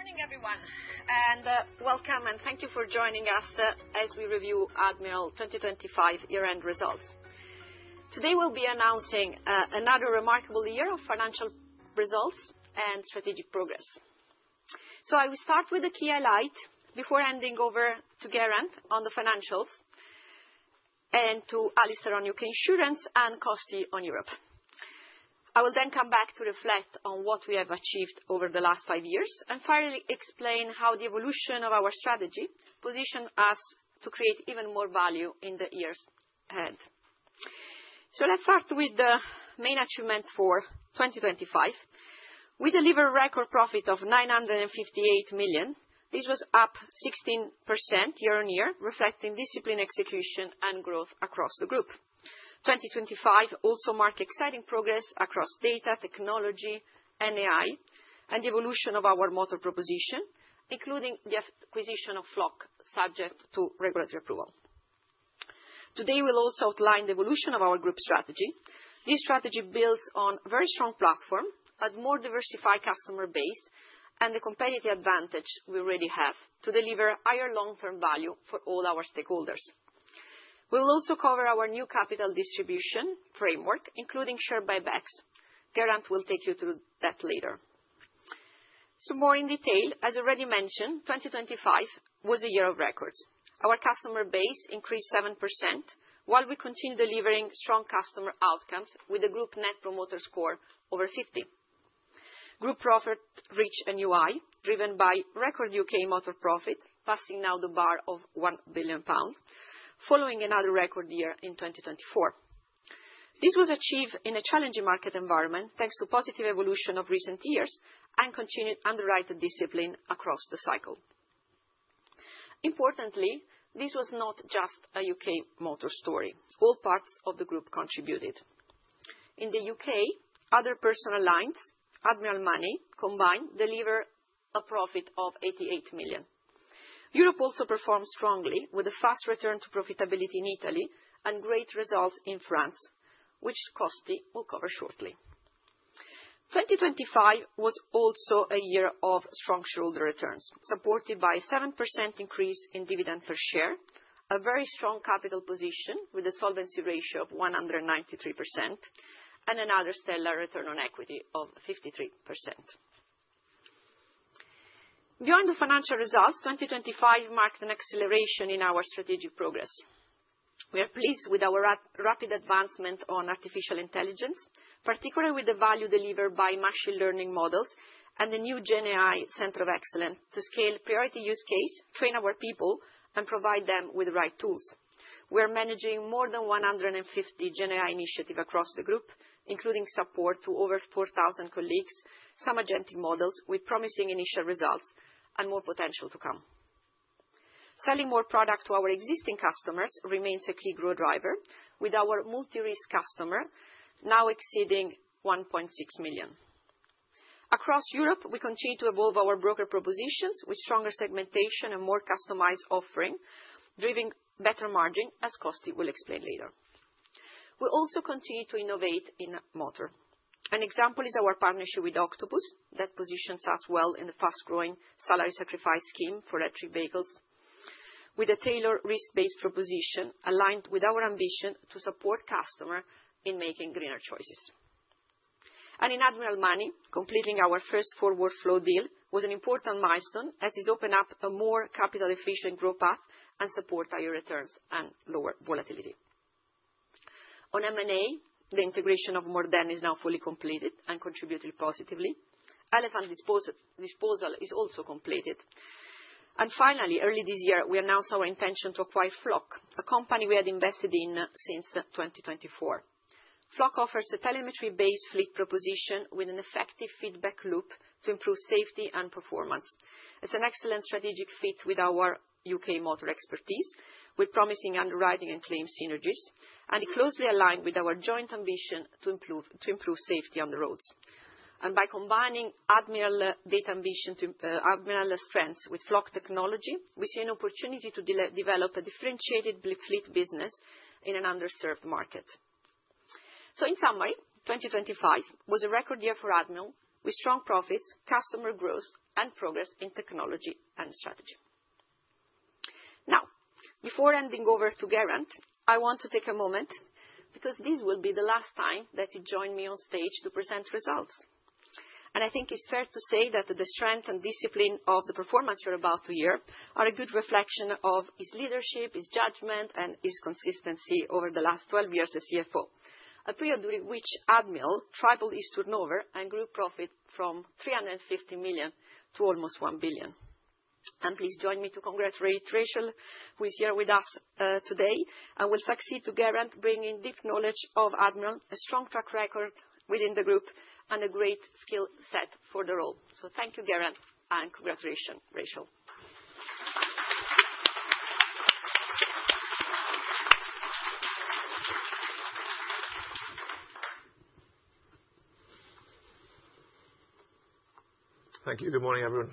Good morning, everyone, and welcome, and thank you for joining us as we review Admiral 2025 year-end results. Today we'll be announcing another remarkable year of financial results and strategic progress. I will start with the key highlight before handing over to Geraint on the financials and to Alistair on U.K. Insurance and Costi on Europe. I will come back to reflect on what we have achieved over the last five years, and finally explain how the evolution of our strategy position us to create even more value in the years ahead. Let's start with the main achievement for 2025. We deliver record profit of 958 million. This was up 16% YoY, reflecting disciplined execution and growth across the group. 2025 also marked exciting progress across data, technology, and AI and the evolution of our motor proposition, including the acquisition of Flock, subject to regulatory approval. Today, we'll also outline the evolution of our group strategy. This strategy builds on very strong platform and more diversified customer base and the competitive advantage we already have to deliver higher long-term value for all our stakeholders. We will also cover our new capital distribution framework, including share buybacks. Geraint will take you through that later. Some more in detail, as already mentioned, 2025 was a year of records. Our customer base increased 7% while we continue delivering strong customer outcomes with the group net promoter score over 50. Group profit reached a new high, driven by record U.K. Motor profit, passing now the bar of 1 billion pound, following another record year in 2024. This was achieved in a challenging market environment, thanks to positive evolution of recent years and continued underwriter discipline across the cycle. Importantly, this was not just a U.K. Motor story. All parts of the group contributed. In the U.K., other personal lines, Admiral Money combined deliver a profit of 88 million. Europe also performed strongly with a fast return to profitability in Italy and great results in France, which Costi will cover shortly. 2025 was also a year of strong shareholder returns, supported by 7% increase in dividend per share, a very strong capital position with a solvency ratio of 193%, and another stellar return on equity of 53%. Beyond the financial results, 2025 marked an acceleration in our strategic progress. We are pleased with our rapid advancement on artificial intelligence, particularly with the value delivered by machine learning models and the new GenAI Center of Excellence to scale priority use case, train our people, and provide them with the right tools. We are managing more than 150 GenAI initiative across the group, including support to over 4,000 colleagues, some agentic models with promising initial results and more potential to come. Selling more product to our existing customers remains a key growth driver, with our multi-risk customer now exceeding 1.6 million. Across Europe, we continue to evolve our broker propositions with stronger segmentation and more customized offering, driving better margin, as Costi will explain later. We also continue to innovate in motor. An example is our partnership with Octopus that positions us well in the fast-growing salary sacrifice scheme for electric vehicles with a tailored risk-based proposition aligned with our ambition to support customer in making greener choices. In Admiral Money, completing our first forward flow deal was an important milestone as it opened up a more capital efficient growth path and support higher returns and lower volatility. On M&A, the integration of More Than is now fully completed and contributed positively. Elephant disposal is also completed. Finally, early this year, we announced our intention to acquire Flock, a company we had invested in since 2024. Flock offers a telemetry-based fleet proposition with an effective feedback loop to improve safety and performance. It's an excellent strategic fit with our U.K. Motor expertise, with promising underwriting and claim synergies, it closely aligned with our joint ambition to improve safety on the roads. By combining Admiral data ambition to Admiral strengths with Flock technology, we see an opportunity to develop a differentiated fleet business in an underserved market. In summary, 2025 was a record year for Admiral, with strong profits, customer growth, and progress in technology and strategy. Now, before handing over to Geraint, I want to take a moment because this will be the last time that he join me on stage to present results. I think it's fair to say that the strength and discipline of the performance you're about to hear are a good reflection of his leadership, his judgment, and his consistency over the last 12 years as CFO. A period during which Admiral tripled its turnover and grew profit from 350 million to almost 1 billion. Please join me to congratulate Rachel, who is here with us today and will succeed to Geraint, bringing deep knowledge of Admiral, a strong track record within the group, and a great skill set for the role. Thank you, Geraint, and congratulations, Rachel. Thank you. Good morning, everyone.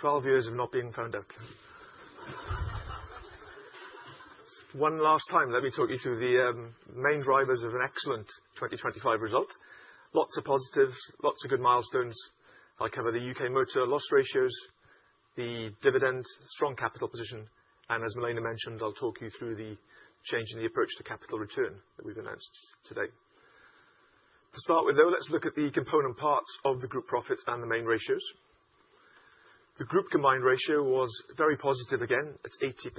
12 years of not being conduct. One last time, let me talk you through the main drivers of an excellent 2025 result. Lots of positives, lots of good milestones. I'll cover the U.K. motor loss ratios, the dividend, strong capital position. As Milena mentioned, I'll talk you through the change in the approach to capital return that we've announced today. To start with, though, let's look at the component parts of the group profits and the main ratios. The group combined ratio was very positive again, at 80%.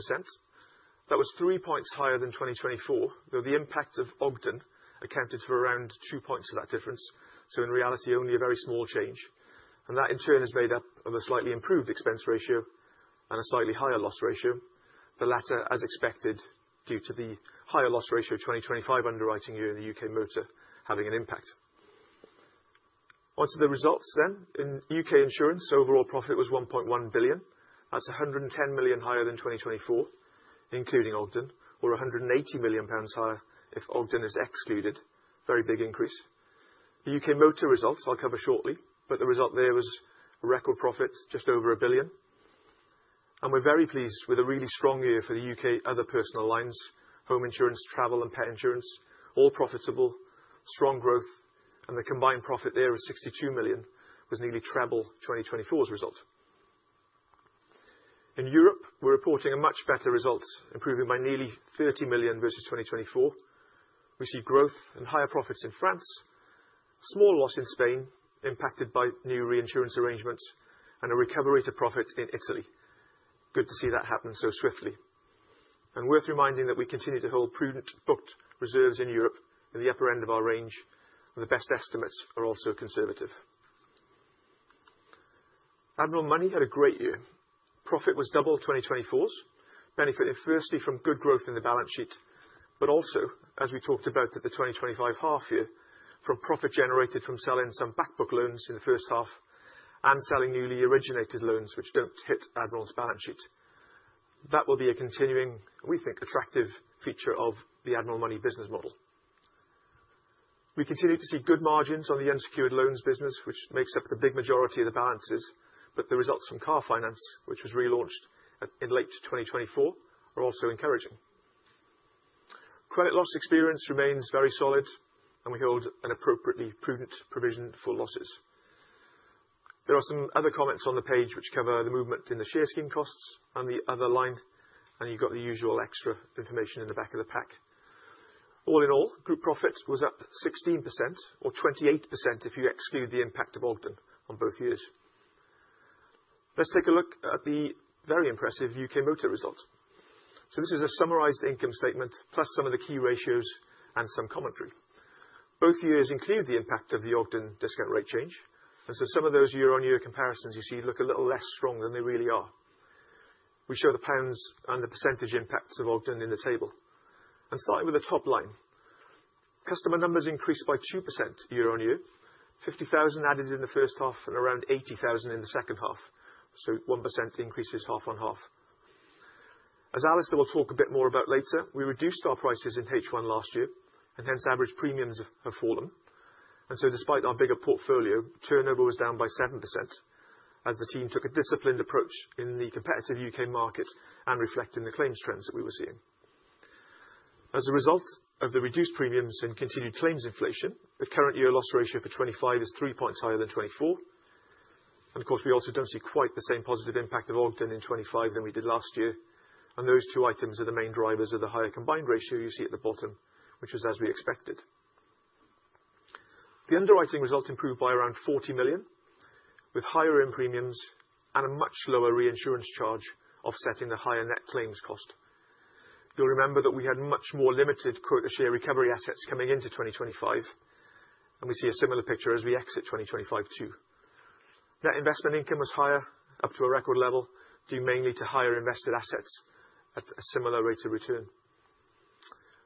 That was three points higher than 2024, though the impact of Ogden accounted for around two points of that difference. In reality, only a very small change. That in turn is made up of a slightly improved expense ratio and a slightly higher loss ratio, the latter as expected, due to the higher loss ratio of 2025 underwriting year in the U.K. motor having an impact. On to the results. In U.K. Insurance, overall profit was 1.1 billion. That's 110 million higher than 2024, including Ogden, or 180 million pounds higher if Ogden is excluded. Very big increase. The U.K. Motor results I'll cover shortly, but the result there was a record profit just over 1 billion. We're very pleased with a really strong year for the U.K. other personal lines, home insurance, travel and pet insurance, all profitable, strong growth, and the combined profit there of 62 million was nearly treble 2024's result. In Europe, we're reporting a much better result, improving by nearly 30 million versus 2024. We see growth and higher profits in France, small loss in Spain, impacted by new reinsurance arrangements and a recovery to profit in Italy. Good to see that happen so swiftly. Worth reminding that we continue to hold prudent booked reserves in Europe in the upper end of our range, and the best estimates are also conservative. Admiral Money had a great year. Profit was double 2024's, benefiting firstly from good growth in the balance sheet, but also, as we talked about at the 2025 half year, from profit generated from selling some back book loans in the first half and selling newly originated loans which don't hit Admiral's balance sheet. That will be a continuing, we think, attractive feature of the Admiral Money business model. We continue to see good margins on the unsecured loans business, which makes up the big majority of the balances, but the results from car finance, which was relaunched in late 2024, are also encouraging. Credit loss experience remains very solid, and we hold an appropriately prudent provision for losses. There are some other comments on the page which cover the movement in the share scheme costs on the other line, and you've got the usual extra information in the back of the pack. All in all, group profit was up 16% or 28% if you exclude the impact of Ogden on both years. Let's take a look at the very impressive U.K. Motor results. This is a summarized income statement, plus some of the key ratios and some commentary. Both years include the impact of the Ogden discount rate change. Some of those YoY comparisons you see look a little less strong than they really are. We show the pounds and the percentage impacts of Ogden in the table. Starting with the top line. Customer numbers increased by 2% YoY, 50,000 added in the first half and around 80,000 in the second half. One percent increases half-on-half. As Alistair will talk a bit more about later, we reduced our prices in H1 last year and hence average premiums have fallen. Despite our bigger portfolio, turnover was down by 7% as the team took a disciplined approach in the competitive U.K. market and reflecting the claims trends that we were seeing. As a result of the reduced premiums and continued claims inflation, the current year loss ratio for 2025 is three points higher than 2024. We also don't see quite the same positive impact of Ogden in 25 than we did last year. Those two items are the main drivers of the higher combined ratio you see at the bottom, which is as we expected. The underwriting results improved by around 40 million, with higher end premiums and a much lower reinsurance charge offsetting the higher net claims cost. You'll remember that we had much more limited quota share recovery assets coming into 2025, and we see a similar picture as we exit 2025 too. Net investment income was higher, up to a record level, due mainly to higher invested assets at a similar rate of return.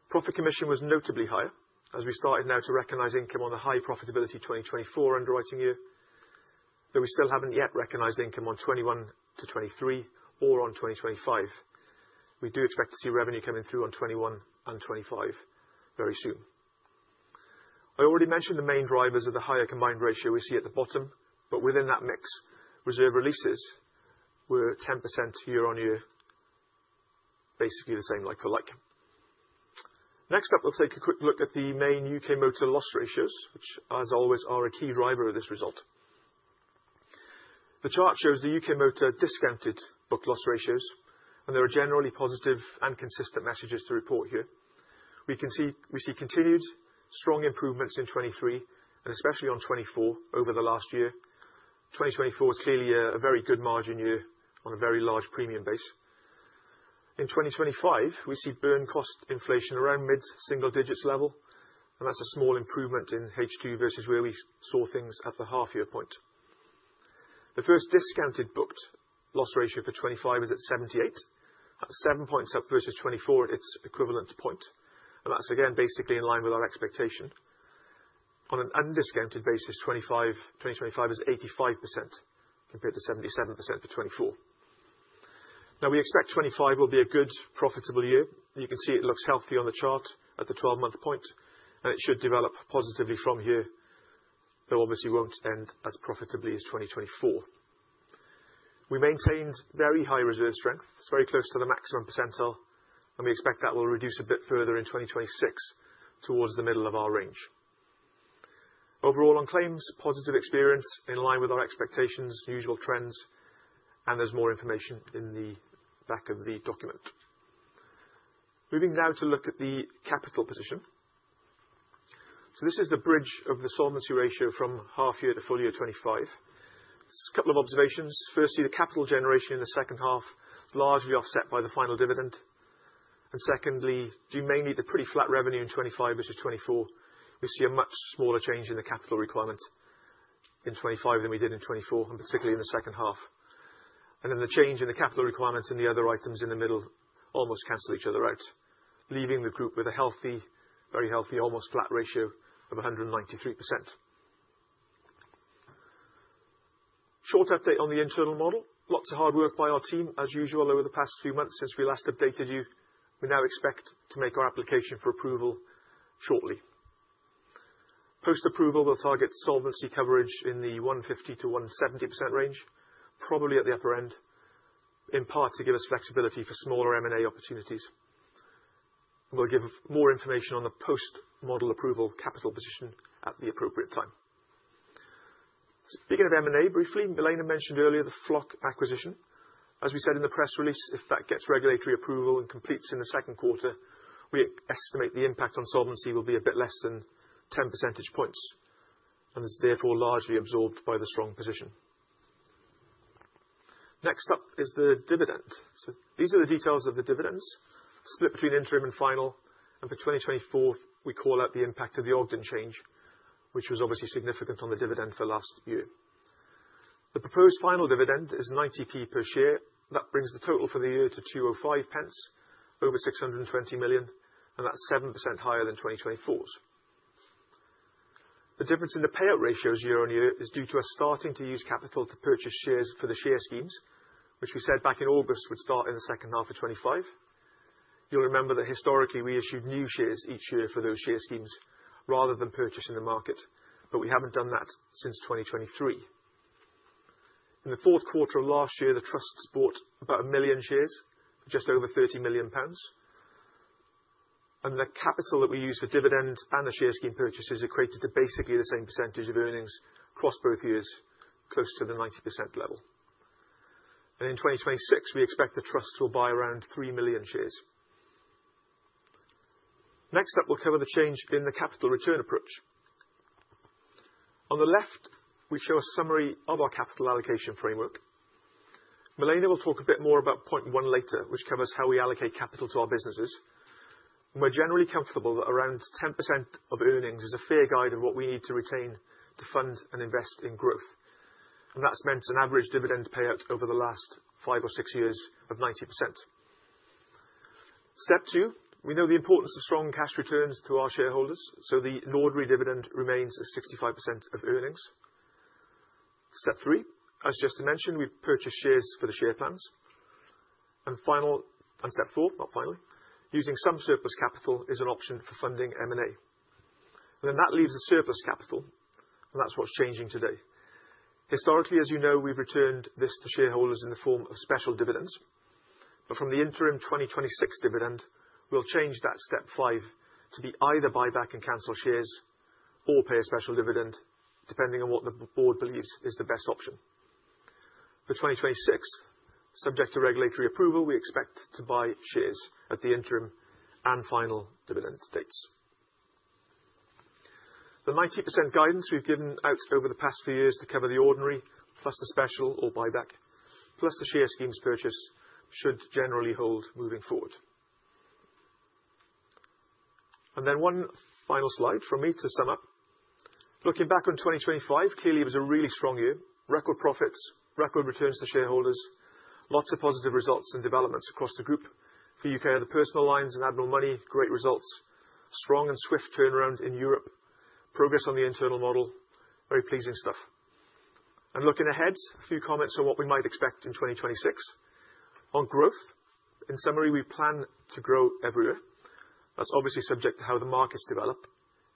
Profit commission was notably higher as we started now to recognize income on the high profitability 2024 underwriting year. We still haven't yet recognized income on 21-23 or on 2025. We do expect to see revenue coming through on 21 and 25 very soon. I already mentioned the main drivers of the higher combined ratio we see at the bottom, within that mix, reserve releases were at 10% YoY, basically the same like for like. Next up, we'll take a quick look at the main U.K. Motor loss ratios, which as always are a key driver of this result. The chart shows the U.K. Motor discounted book loss ratios, there are generally positive and consistent messages to report here. We see continued strong improvements in 23 and especially on 24 over the last year. 2024 is clearly a very good margin year on a very large premium base. In 2025, we see burn cost inflation around mid-single digits level, and that's a small improvement in HQ versus where we saw things at the half-year point. The first discounted booked loss ratio for 25 is at 78. That's seven points up versus 24 its equivalent point. That's again, basically in line with our expectation. On an undiscounted basis, 25, 2025 is 85% compared to 77% for 24. We expect 25 will be a good profitable year. You can see it looks healthy on the chart at the 12-month point, and it should develop positively from here. Obviously won't end as profitably as 2024. We maintained very high reserve strength. It's very close to the maximum percentile, and we expect that will reduce a bit further in 2026 towards the middle of our range. Overall, on claims, positive experience in line with our expectations, usual trends, and there's more information in the back of the document. Moving now to look at the capital position. This is the bridge of the solvency ratio from half year to full year 2025. Just a couple of observations. Firstly, the capital generation in the second half is largely offset by the final dividend. Secondly, you may need a pretty flat revenue in 2025 versus 2024. You see a much smaller change in the capital requirement in 2025 than we did in 2024, and particularly in the second half. The change in the capital requirements in the other items in the middle almost cancel each other out, leaving the group with a healthy, very healthy, almost flat ratio of 193%. Short update on the internal model. Lots of hard work by our team, as usual, over the past few months since we last updated you. We now expect to make our application for approval shortly. Post-approval, we'll target solvency coverage in the 150%-170% range, probably at the upper end, in part to give us flexibility for smaller M&A opportunities. We'll give more information on the post-model approval capital position at the appropriate time. Speaking of M&A briefly, Milena mentioned earlier the Flock acquisition. As we said in the press release, if that gets regulatory approval and completes in the second quarter, we estimate the impact on solvency will be a bit less than 10 percentage points, and is therefore largely absorbed by the strong position. Next up is the dividend. These are the details of the dividends split between interim and final, and for 2024th, we call out the impact of the Ogden change, which was obviously significant on the dividend for last year. The proposed final dividend is 90p per share. That brings the total for the year to 205p, over 620 million, and that's 7% higher than 2024's. The difference in the payout ratios year on year is due to us starting to use capital to purchase shares for the share schemes, which we said back in August would start in the second half of 2025. You'll remember that historically, we issued new shares each year for those share schemes rather than purchase in the market, but we haven't done that since 2023. In the fourth quarter of last year, the trusts bought about one million shares, just over 30 million pounds. The capital that we use for dividends and the share scheme purchases equated to basically the same percentage of earnings across both years, close to the 90% level. In 2026, we expect the trusts will buy around three million shares. Next up, we'll cover the change in the capital return approach. On the left, we show a summary of our capital allocation framework. Milena will talk a bit more about point one later, which covers how we allocate capital to our businesses. We're generally comfortable that around 10% of earnings is a fair guide of what we need to retain to fund and invest in growth. That's meant an average dividend payout over the last five or six years of 90%. Step two, we know the importance of strong cash returns to our shareholders, the ordinary dividend remains at 65% of earnings. Step three, as Justin mentioned, we purchase shares for the share plans. Step four, not final, using some surplus capital is an option for funding M&A. That leaves the surplus capital, and that's what's changing today. Historically, as you know, we've returned this to shareholders in the form of special dividends. From the interim 2026 dividend, we'll change that step five to be either buy back and cancel shares or pay a special dividend, depending on what the board believes is the best option. For 2026, subject to regulatory approval, we expect to buy shares at the interim and final dividend dates. The 90% guidance we've given out over the past few years to cover the ordinary plus the special or buyback, plus the share schemes purchase should generally hold moving forward. Then one final slide from me to sum up. Looking back on 2025, clearly it was a really strong year. Record profits, record returns to shareholders, lots of positive results and developments across the group. For U.K., the personal lines and Admiral Money, great results. Strong and swift turnaround in Europe. Progress on the internal model. Very pleasing stuff. Looking ahead, a few comments on what we might expect in 2026. On growth, in summary, we plan to grow everywhere. That's obviously subject to how the markets develop,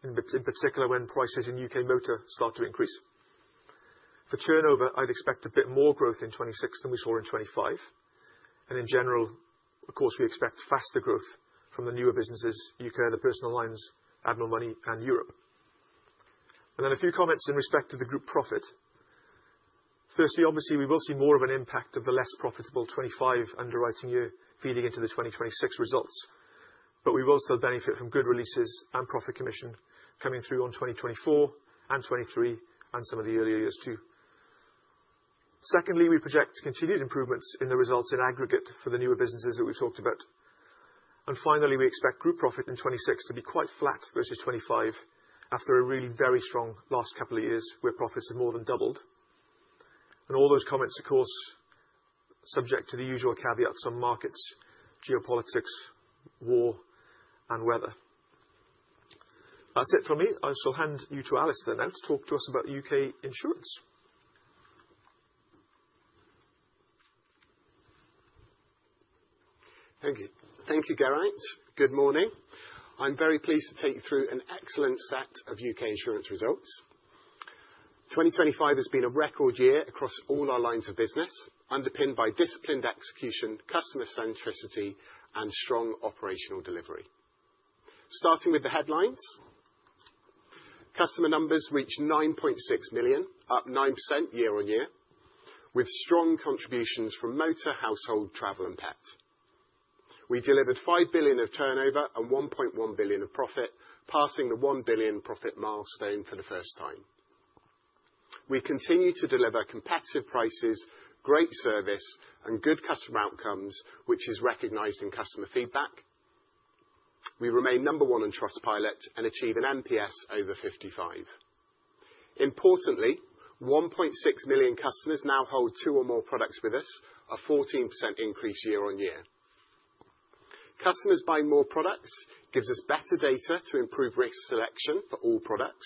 in particular, when prices in U.K. motor start to increase. For turnover, I'd expect a bit more growth in 26 than we saw in 25. In general, of course, we expect faster growth from the newer businesses, U.K., the personal lines, Admiral Money, and Europe. A few comments in respect to the group profit. Firstly, obviously, we will see more of an impact of the less profitable 25 underwriting year feeding into the 2026 results. We will still benefit from good releases and profit commission coming through on 2024 and 23 and some of the earlier years too. Secondly, we project continued improvements in the results in aggregate for the newer businesses that we've talked about. Finally, we expect group profit in 26 to be quite flat versus 25 after a really very strong last couple of years, where profits have more than doubled. All those comments, of course, subject to the usual caveats on markets, geopolitics, war, and weather. That's it from me. I shall hand you to Alistair now to talk to us about U.K. Insurance. Thank you. Thank you, Geraint. Good morning. I'm very pleased to take you through an excellent set of U.K. Insurance results. 2025 has been a record year across all our lines of business, underpinned by disciplined execution, customer centricity, and strong operational delivery. Starting with the headlines, customer numbers reached 9.6 million, up 9% YoY, with strong contributions from motor, household, travel, and pet. We delivered 5 billion of turnover and 1.1 billion of profit, passing the 1 billion profit milestone for the first time. We continue to deliver competitive prices, great service, and good customer outcomes, which is recognized in customer feedback. We remain number one in Trustpilot and achieve an NPS over 55. Importantly, 1.6 million customers now hold two or more products with us, a 14% increase YoY. Customers buying more products gives us better data to improve risk selection for all products,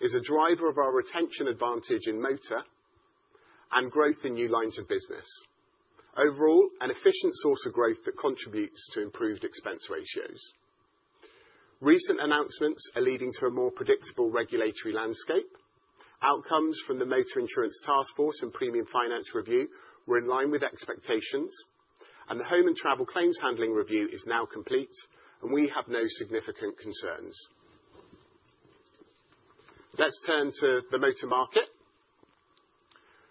is a driver of our retention advantage in motor, and growth in new lines of business. Overall, an efficient source of growth that contributes to improved expense ratios. Recent announcements are leading to a more predictable regulatory landscape. Outcomes from the Motor Insurance Task Force and Premium Finance Review were in line with expectations, and the Home and Travel Claims Handling Review is now complete, and we have no significant concerns. Let's turn to the motor market.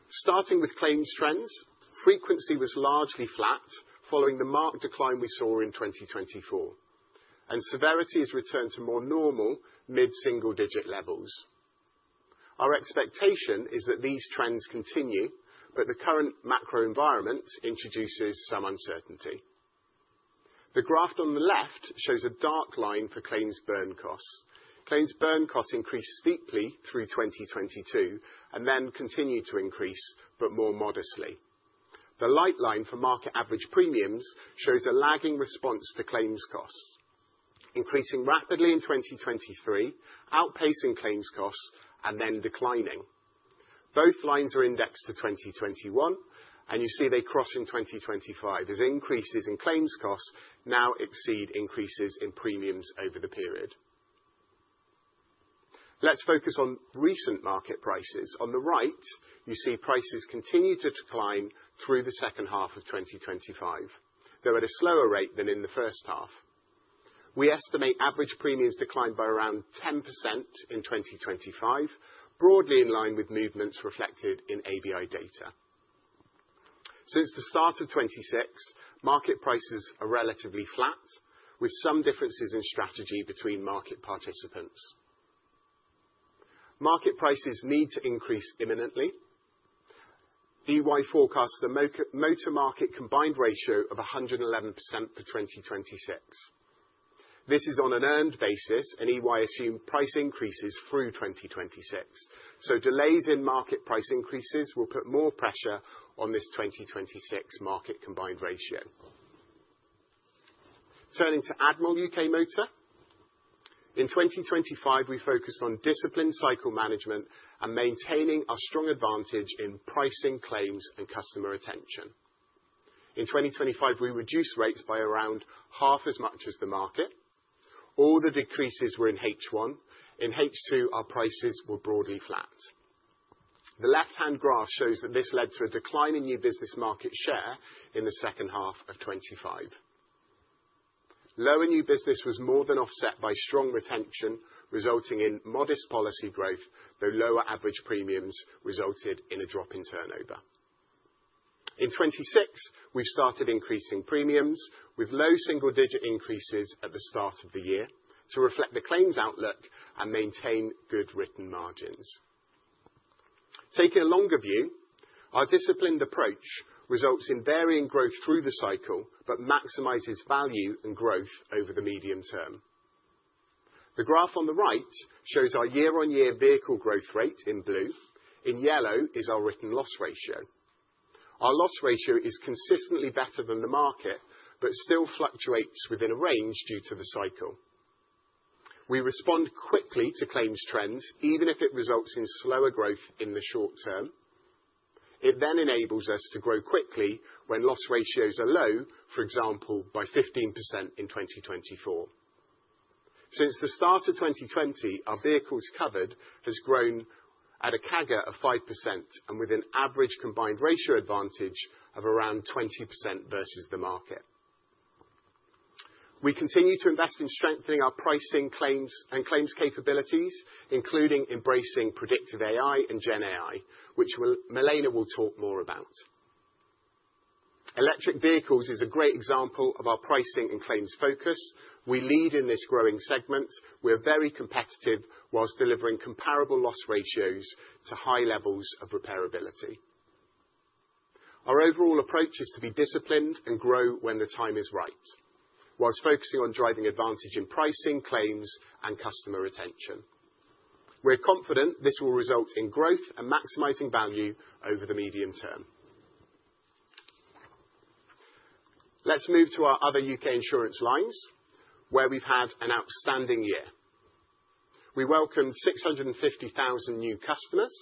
Starting with claims trends, frequency was largely flat following the marked decline we saw in 2024, and severity has returned to more normal mid-single-digit levels. Our expectation is that these trends continue, but the current macro environment introduces some uncertainty. The graph on the left shows a dark line for claims burn costs. Claims burn costs increased steeply through 2022 and then continued to increase, but more modestly. The light line for market average premiums shows a lagging response to claims costs, increasing rapidly in 2023, outpacing claims costs, and then declining. Both lines are indexed to 2021, and you see they cross in 2025 as increases in claims costs now exceed increases in premiums over the period. Let's focus on recent market prices. On the right, you see prices continued to decline through the second half of 2025, though at a slower rate than in the first half. We estimate average premiums declined by around 10% in 2025, broadly in line with movements reflected in ABI data. Since the start of 2026, market prices are relatively flat, with some differences in strategy between market participants. Market prices need to increase imminently. EY forecasts the motor market combined ratio of 111% for 2026. This is on an earned basis. EY assume price increases through 2026. Delays in market price increases will put more pressure on this 2026 market combined ratio. Turning to Admiral U.K. Motor. In 2025, we focused on disciplined cycle management and maintaining our strong advantage in pricing, claims, and customer retention. In 2025, we reduced rates by around half as much as the market. All the decreases were in H1. In H2, our prices were broadly flat. The left-hand graph shows that this led to a decline in new business market share in the second half of 2025. Lower new business was more than offset by strong retention, resulting in modest policy growth, though lower average premiums resulted in a drop in turnover. In 2026, we started increasing premiums with low single-digit increases at the start of the year to reflect the claims outlook and maintain good written margins. Taking a longer view, our disciplined approach results in varying growth through the cycle, maximizes value and growth over the medium term. The graph on the right shows our YoY vehicle growth rate in blue. In yellow is our written loss ratio. Our loss ratio is consistently better than the market, still fluctuates within a range due to the cycle. We respond quickly to claims trends, even if it results in slower growth in the short term. It then enables us to grow quickly when loss ratios are low, for example, by 15% in 2024. Since the start of 2020, our vehicles covered has grown at a CAGR of 5%, and with an average combined ratio advantage of around 20% versus the market. We continue to invest in strengthening our pricing and claims capabilities, including embracing predictive AI and Gen AI, which Milena will talk more about. Electric vehicles is a great example of our pricing and claims focus. We lead in this growing segment. We are very competitive while delivering comparable loss ratios to high levels of repairability. Our overall approach is to be disciplined and grow when the time is right, while focusing on driving advantage in pricing, claims, and customer retention. We're confident this will result in growth and maximizing value over the medium term. Let's move to our other U.K. Insurance lines, where we've had an outstanding year. We welcomed 650,000 new customers,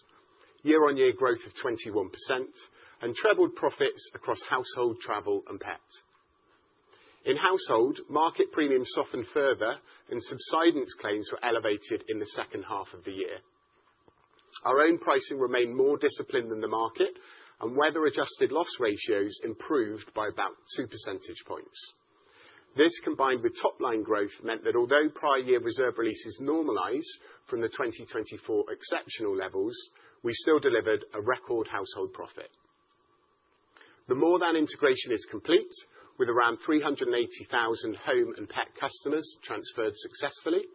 YoY growth of 21% and trebled profits across household travel and pet. In household, market premiums softened further and subsidence claims were elevated in the second half of the year. Our own pricing remained more disciplined than the market, and weather adjusted loss ratios improved by about two percentage points. This, combined with top line growth, meant that although prior year reserve releases normalize from the 2024 exceptional levels, we still delivered a record household profit. The More Than integration is complete, with around 380,000 home and pet customers transferred successfully.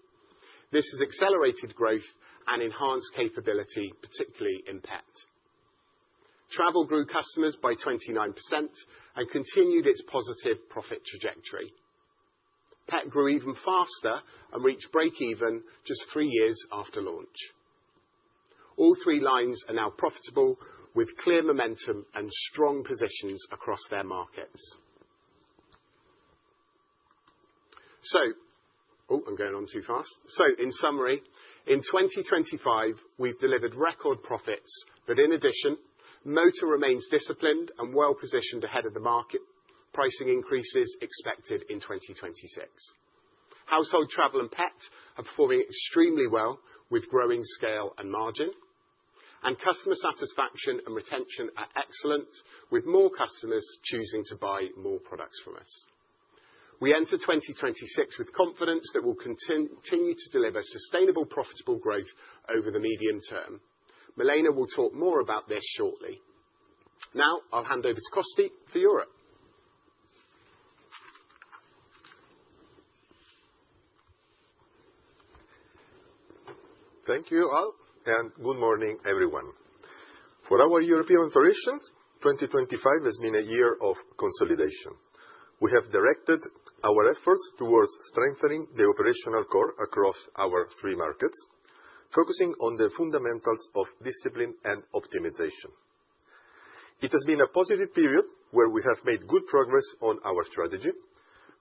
This has accelerated growth and enhanced capability, particularly in pet. Travel grew customers by 29% and continued its positive profit trajectory. Pet grew even faster and reached breakeven just three years after launch. All three lines are now profitable, with clear momentum and strong positions across their markets. I'm going on too fast. In summary, in 2025, we've delivered record profits. In addition, motor remains disciplined and well-positioned ahead of the market, pricing increases expected in 2026. Household, travel, and pet are performing extremely well with growing scale and margin. Customer satisfaction and retention are excellent, with more customers choosing to buy more products from us. We enter 2026 with confidence that we'll continue to deliver sustainable, profitable growth over the medium term. Milena will talk more about this shortly. I'll hand over to Costi for Europe. Thank you all, good morning, everyone. For our European operations, 2025 has been a year of consolidation. We have directed our efforts towards strengthening the operational core across our three markets, focusing on the fundamentals of discipline and optimization. It has been a positive period where we have made good progress on our strategy,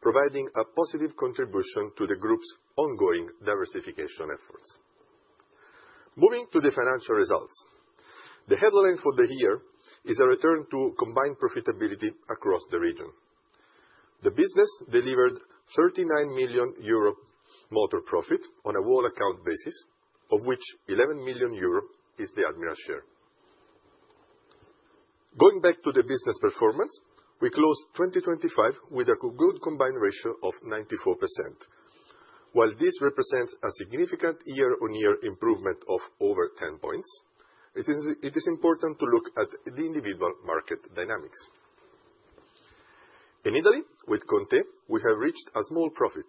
providing a positive contribution to the Group's ongoing diversification efforts. Moving to the financial results. The headline for the year is a return to combined profitability across the region. The business delivered 39 million euro motor profit on a wall account basis, of which 11 million euro is the Admiral share. Going back to the business performance, we closed 2025 with a co-good combined ratio of 94%. While this represents a significant YoY improvement of over 10 points, it is important to look at the individual market dynamics. In Italy, with ConTe.it, we have reached a small profit,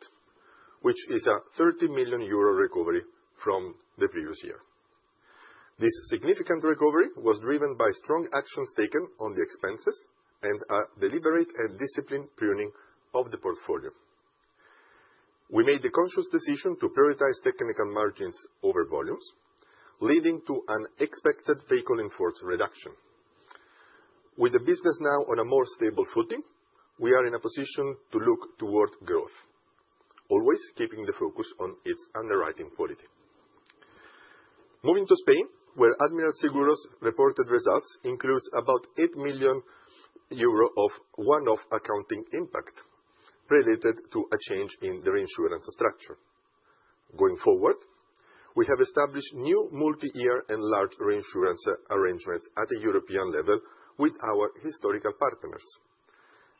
which is a 30 million euro recovery from the previous year. This significant recovery was driven by strong actions taken on the expenses and a deliberate and disciplined pruning of the portfolio. We made the conscious decision to prioritize technical margins over volumes, leading to an expected vehicle in force reduction. With the business now on a more stable footing, we are in a position to look toward growth, always keeping the focus on its underwriting quality. Moving to Spain, where Admiral Seguros reported results includes about 8 million euro of one-off accounting impact related to a change in the reinsurance structure. Going forward, we have established new multi-year and large reinsurance arrangements at a European level with our historical partners.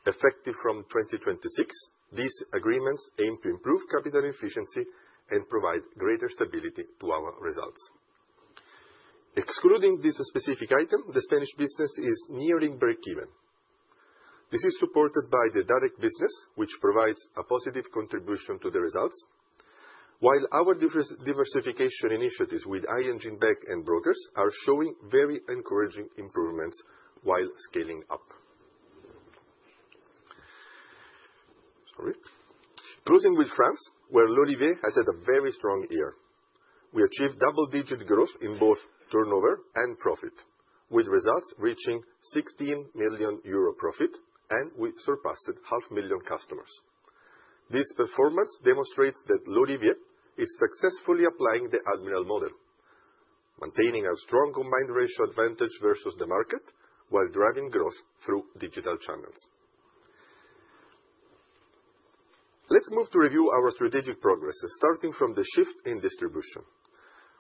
Effective from 2026, these agreements aim to improve capital efficiency and provide greater stability to our results. Excluding this specific item, the Spanish business is nearing breakeven. This is supported by the direct business, which provides a positive contribution to the results, while our diversification initiatives with iEngine, Bank, and Brokers are showing very encouraging improvements while scaling up. Sorry. Closing with France, where L'olivier has had a very strong year. We achieved double-digit growth in both turnover and profit, with results reaching 16 million euro profit, we surpassed half million customers. This performance demonstrates that L'olivier is successfully applying the Admiral model, maintaining a strong combined ratio advantage versus the market while driving growth through digital channels. Let's move to review our strategic progress, starting from the shift in distribution.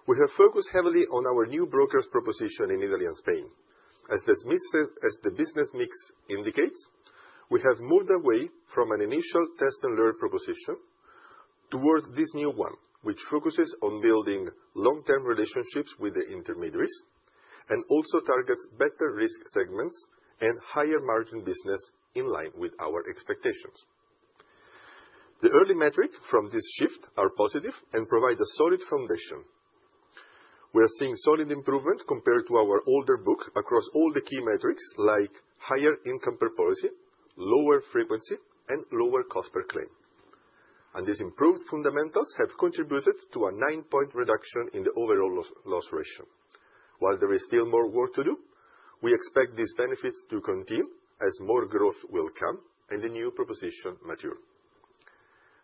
We have focused heavily on our new brokers proposition in Italy and Spain. As the business mix indicates, we have moved away from an initial test and learn proposition towards this new one, which focuses on building long-term relationships with the intermediaries and also targets better risk segments and higher margin business in line with our expectations. The early metric from this shift are positive and provide a solid foundation. We are seeing solid improvement compared to our older book across all the key metrics, like higher income per policy, lower frequency, and lower cost per claim. These improved fundamentals have contributed to a nine-point reduction in the overall loss ratio. While there is still more work to do, we expect these benefits to continue as more growth will come and the new proposition mature.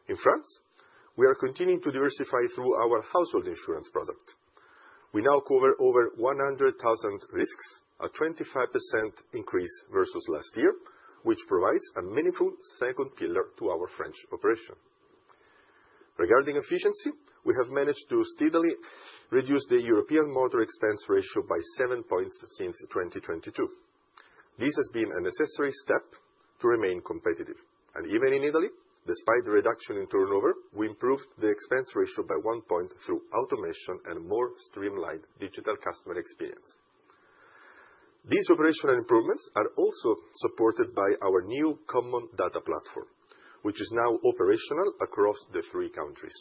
In France, we are continuing to diversify through our household insurance product. We now cover over 100,000 risks, a 25% increase versus last year, which provides a meaningful second pillar to our French operation. Regarding efficiency, we have managed to steadily reduce the European motor expense ratio by seven points since 2022. This has been a necessary step to remain competitive. Even in Italy, despite the reduction in turnover, we improved the expense ratio by one point through automation and more streamlined digital customer experience. These operational improvements are also supported by our new common data platform, which is now operational across the three countries.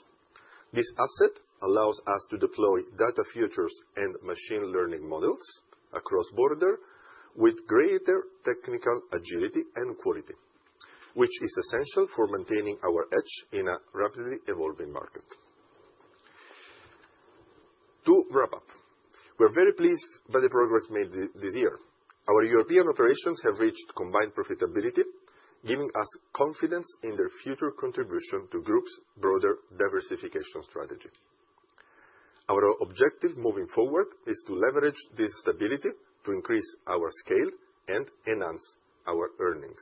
This asset allows us to deploy data features and machine learning models across border with greater technical agility and quality, which is essential for maintaining our edge in a rapidly evolving market. To wrap up, we're very pleased by the progress made this year. Our European operations have reached combined profitability, giving us confidence in their future contribution to Group's broader diversification strategy. Our objective moving forward is to leverage this stability to increase our scale and enhance our earnings.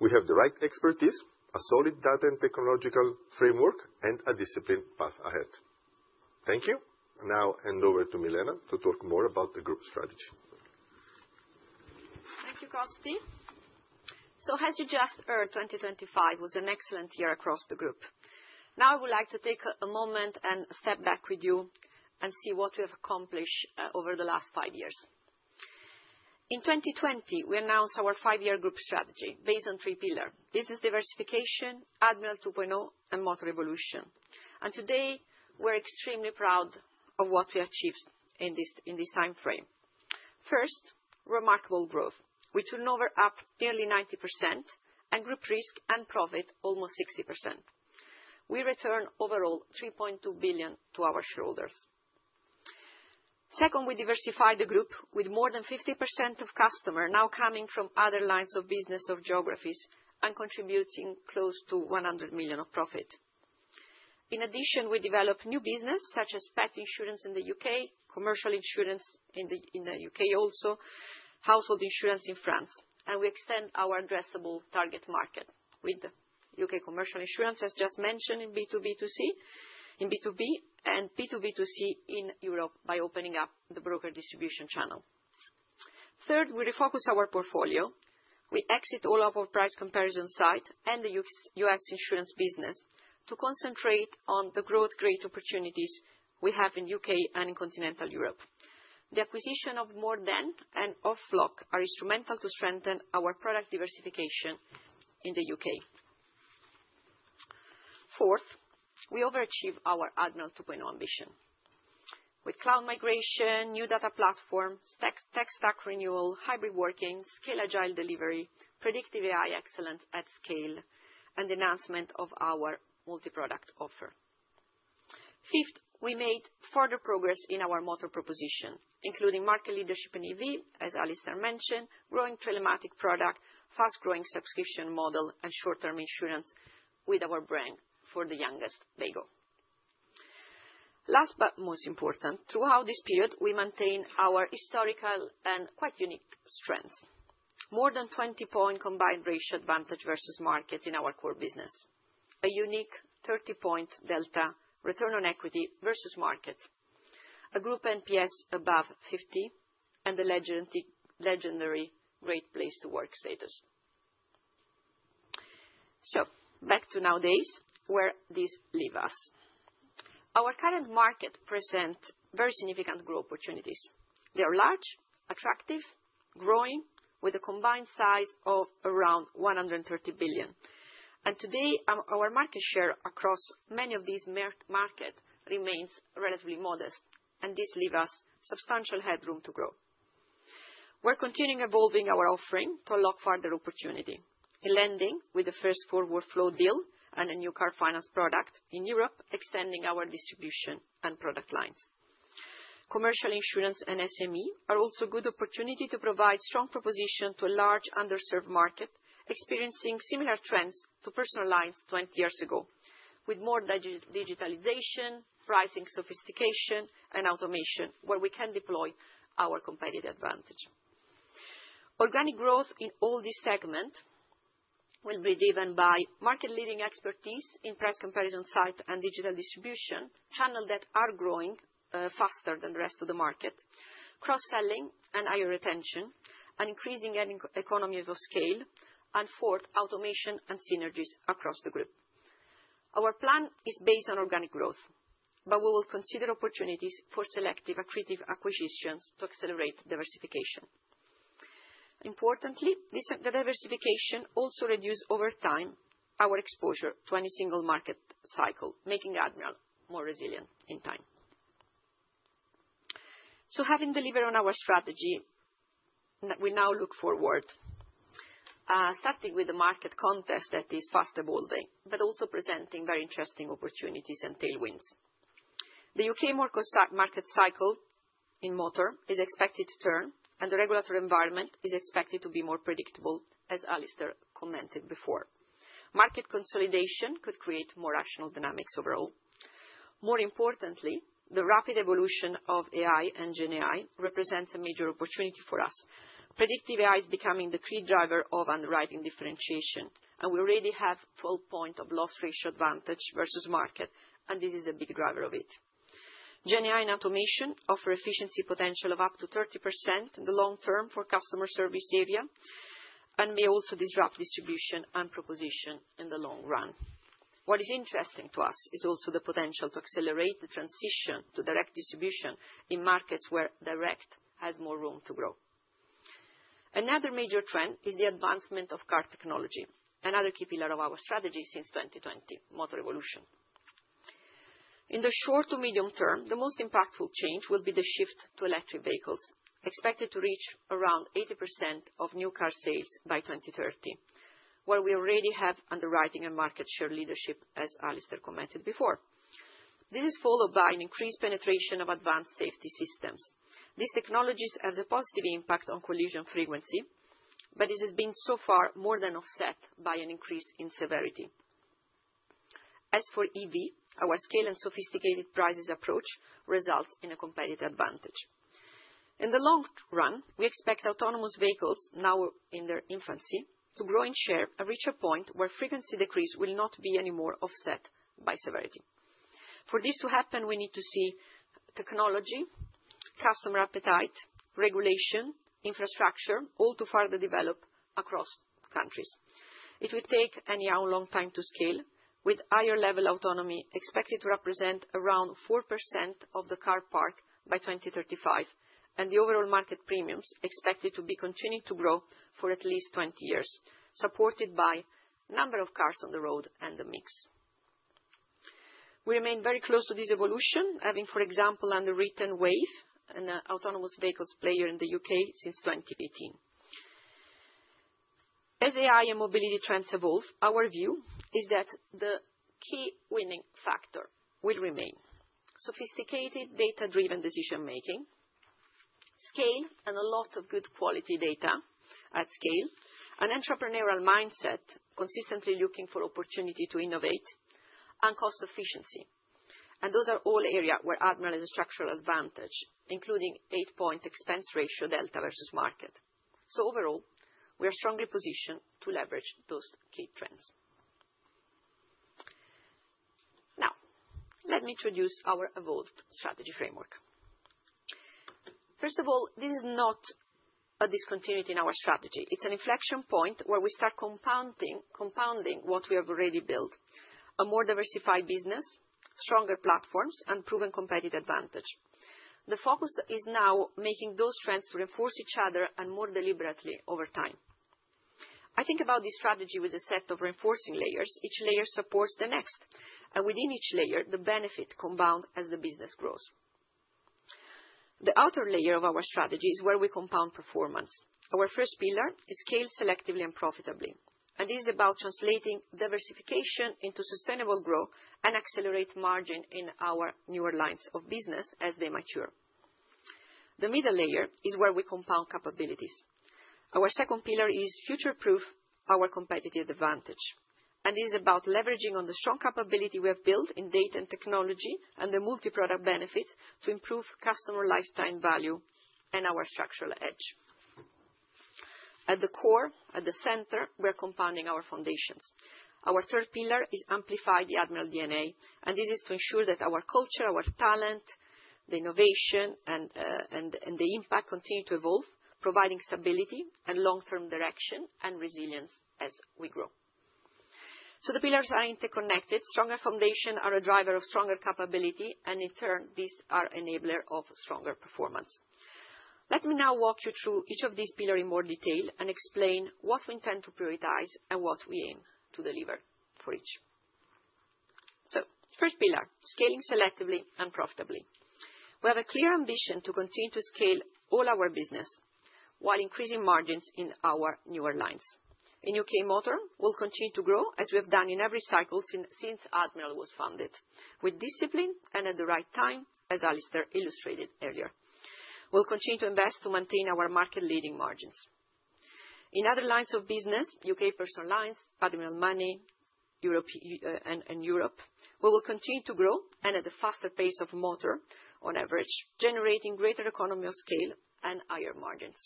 We have the right expertise, a solid data and technological framework, and a disciplined path ahead. Thank you. Now hand over to Milena to talk more about the Group strategy. Thank you, Costi. As you just heard, 2025 was an excellent year across the group. Now I would like to take a moment and a step back with you and see what we have accomplished over the last five years. In 2020, we announced our five-year group strategy based on three pillar: business diversification, Admiral 2.0, and Motor evolution. Today, we're extremely proud of what we achieved in this timeframe. First, remarkable growth. With turnover up nearly 90% and group risk and profit almost 60%. We return overall 3.2 billion to our shareholders. Second, we diversify the group with more than 50% of customer now coming from other lines of business or geographies and contributing close to 100 million of profit. In addition, we develop new business such as pet insurance in the U.K., commercial insurance in the U.K. also, household insurance in France, and we extend our addressable target market with U.K. Commercial Insurance, as just mentioned in B2B2C, in B2B, and B2B2C in Europe by opening up the broker distribution channel. Third, we refocus our portfolio. We exit all of our price comparison site and the U.S. insurance business to concentrate on the growth great opportunities we have in U.K. and in Continental Europe. The acquisition of More Than and Flock are instrumental to strengthen our product diversification in the U.K.. Fourth, we overachieve our Admiral 2.0 ambition. With cloud migration, new data platform, tech stack renewal, hybrid working, Scaled Agile delivery, predictive AI excellence at scale, and enhancement of our multiproduct offer. Fifth, we made further progress in our motor proposition, including market leadership in EV, as Alistair mentioned, growing telematics product, fast growing subscription model, and short-term insurance with our brand for the youngest, Veygo. Last but most important, throughout this period, we maintain our historical and quite unique strengths. More than 20-point combined ratio advantage versus market in our core business. A unique 30-point delta return on equity versus market. A group NPS above 50, and the legendary Great Place to Work status. Back to nowadays, where this leave us. Our current market present very significant growth opportunities. They are large, attractive, growing, with a combined size of around 130 billion. Today, our market share across many of these market remains relatively modest, and this leave us substantial headroom to grow. We're continuing evolving our offering to unlock further opportunity. In lending, with the first forward flow deal and a new car finance product in Europe, extending our distribution and product lines. Commercial insurance and SME are also good opportunity to provide strong proposition to a large underserved market, experiencing similar trends to personal lines 20 years ago, with more digitalization, pricing sophistication, and automation where we can deploy our competitive advantage. Organic growth in all this segment will be driven by market leading expertise in price comparison site and digital distribution, channel that are growing, faster than the rest of the market, cross-selling and higher retention, and increasing economy of scale, and fourth, automation and synergies across the group. Our plan is based on organic growth, but we will consider opportunities for selective accretive acquisitions to accelerate diversification. Importantly, this, the diversification also reduce over time our exposure to any single market cycle, making Admiral more resilient in time. Having delivered on our strategy, we now look forward, starting with the market context that is fast evolving, but also presenting very interesting opportunities and tailwinds. The U.K. market cycle in motor is expected to turn, and the regulatory environment is expected to be more predictable, as Alistair commented before. Market consolidation could create more rational dynamics overall. More importantly, the rapid evolution of AI and GenAI represents a major opportunity for us. Predictive AI is becoming the key driver of underwriting differentiation, and we already have full point of loss ratio advantage versus market, and this is a big driver of it. GenAI and automation offer efficiency potential of up to 30% in the long term for customer service area, and may also disrupt distribution and proposition in the long run. What is interesting to us is also the potential to accelerate the transition to direct distribution in markets where direct has more room to grow. Another major trend is the advancement of car technology, another key pillar of our strategy since 2020, Motor Revolution. In the short to medium term, the most impactful change will be the shift to electric vehicles, expected to reach around 80% of new car sales by 2030, where we already have underwriting and market share leadership, as Alistair commented before. This is followed by an increased penetration of advanced safety systems. These technologies has a positive impact on collision frequency, but it has been so far more than offset by an increase in severity. As for EV, our scale and sophisticated prices approach results in a competitive advantage. In the long run, we expect autonomous vehicles, now in their infancy, to grow in share and reach a point where frequency decrease will not be any more offset by severity. For this to happen, we need to see technology, customer appetite, regulation, infrastructure, all to further develop across countries. It will take anyhow a long time to scale, with higher level autonomy expected to represent around 4% of the car park by 2035, and the overall market premiums expected to be continuing to grow for at least 20 years, supported by number of cars on the road and the mix. We remain very close to this evolution, having, for example, underwritten Wayve, an autonomous vehicles player in the U.K. Since 2018. As AI and mobility trends evolve, our view is that the key winning factor will remain sophisticated data-driven decision making, scale, and a lot of good quality data at scale, an entrepreneurial mindset, consistently looking for opportunity to innovate, and cost efficiency. Those are all areas where Admiral has a structural advantage, including eight-point expense ratio delta versus market. Overall, we are strongly positioned to leverage those key trends. Now, let me introduce our evolved strategy framework. First of all, this is not a discontinuity in our strategy. It's an inflection point where we start compounding what we have already built, a more diversified business, stronger platforms, and proven competitive advantage. The focus is now making those trends reinforce each other and more deliberately over time. I think about this strategy with a set of reinforcing layers. Each layer supports the next, and within each layer, the benefit compound as the business grows. The outer layer of our strategy is where we compound performance. Our first pillar is scale selectively and profitably, and this is about translating diversification into sustainable growth and accelerate margin in our newer lines of business as they mature. The middle layer is where we compound capabilities. Our second pillar is future-proof our competitive advantage, and it is about leveraging on the strong capability we have built in data and technology and the multi-product benefit to improve customer lifetime value and our structural edge. At the core, at the center, we're compounding our foundations. Our third pillar is amplify the Admiral DNA, and this is to ensure that our culture, our talent, the innovation and the impact continue to evolve, providing stability and long-term direction and resilience as we grow. The pillars are interconnected. Stronger foundation are a driver of stronger capability, and in turn, these are enabler of stronger performance. Let me now walk you through each of these pillar in more detail and explain what we intend to prioritize and what we aim to deliver for each. First pillar, scaling selectively and profitably. We have a clear ambition to continue to scale all our business while increasing margins in our newer lines. In U.K. Motor, we'll continue to grow as we have done in every cycle since Admiral was founded, with discipline and at the right time, as Alistair illustrated earlier. We'll continue to invest to maintain our market leading margins. In other lines of business, U.K. Personal Lines, Admiral Money, in Europe, we will continue to grow and at a faster pace of Motor on average, generating greater economy of scale and higher margins.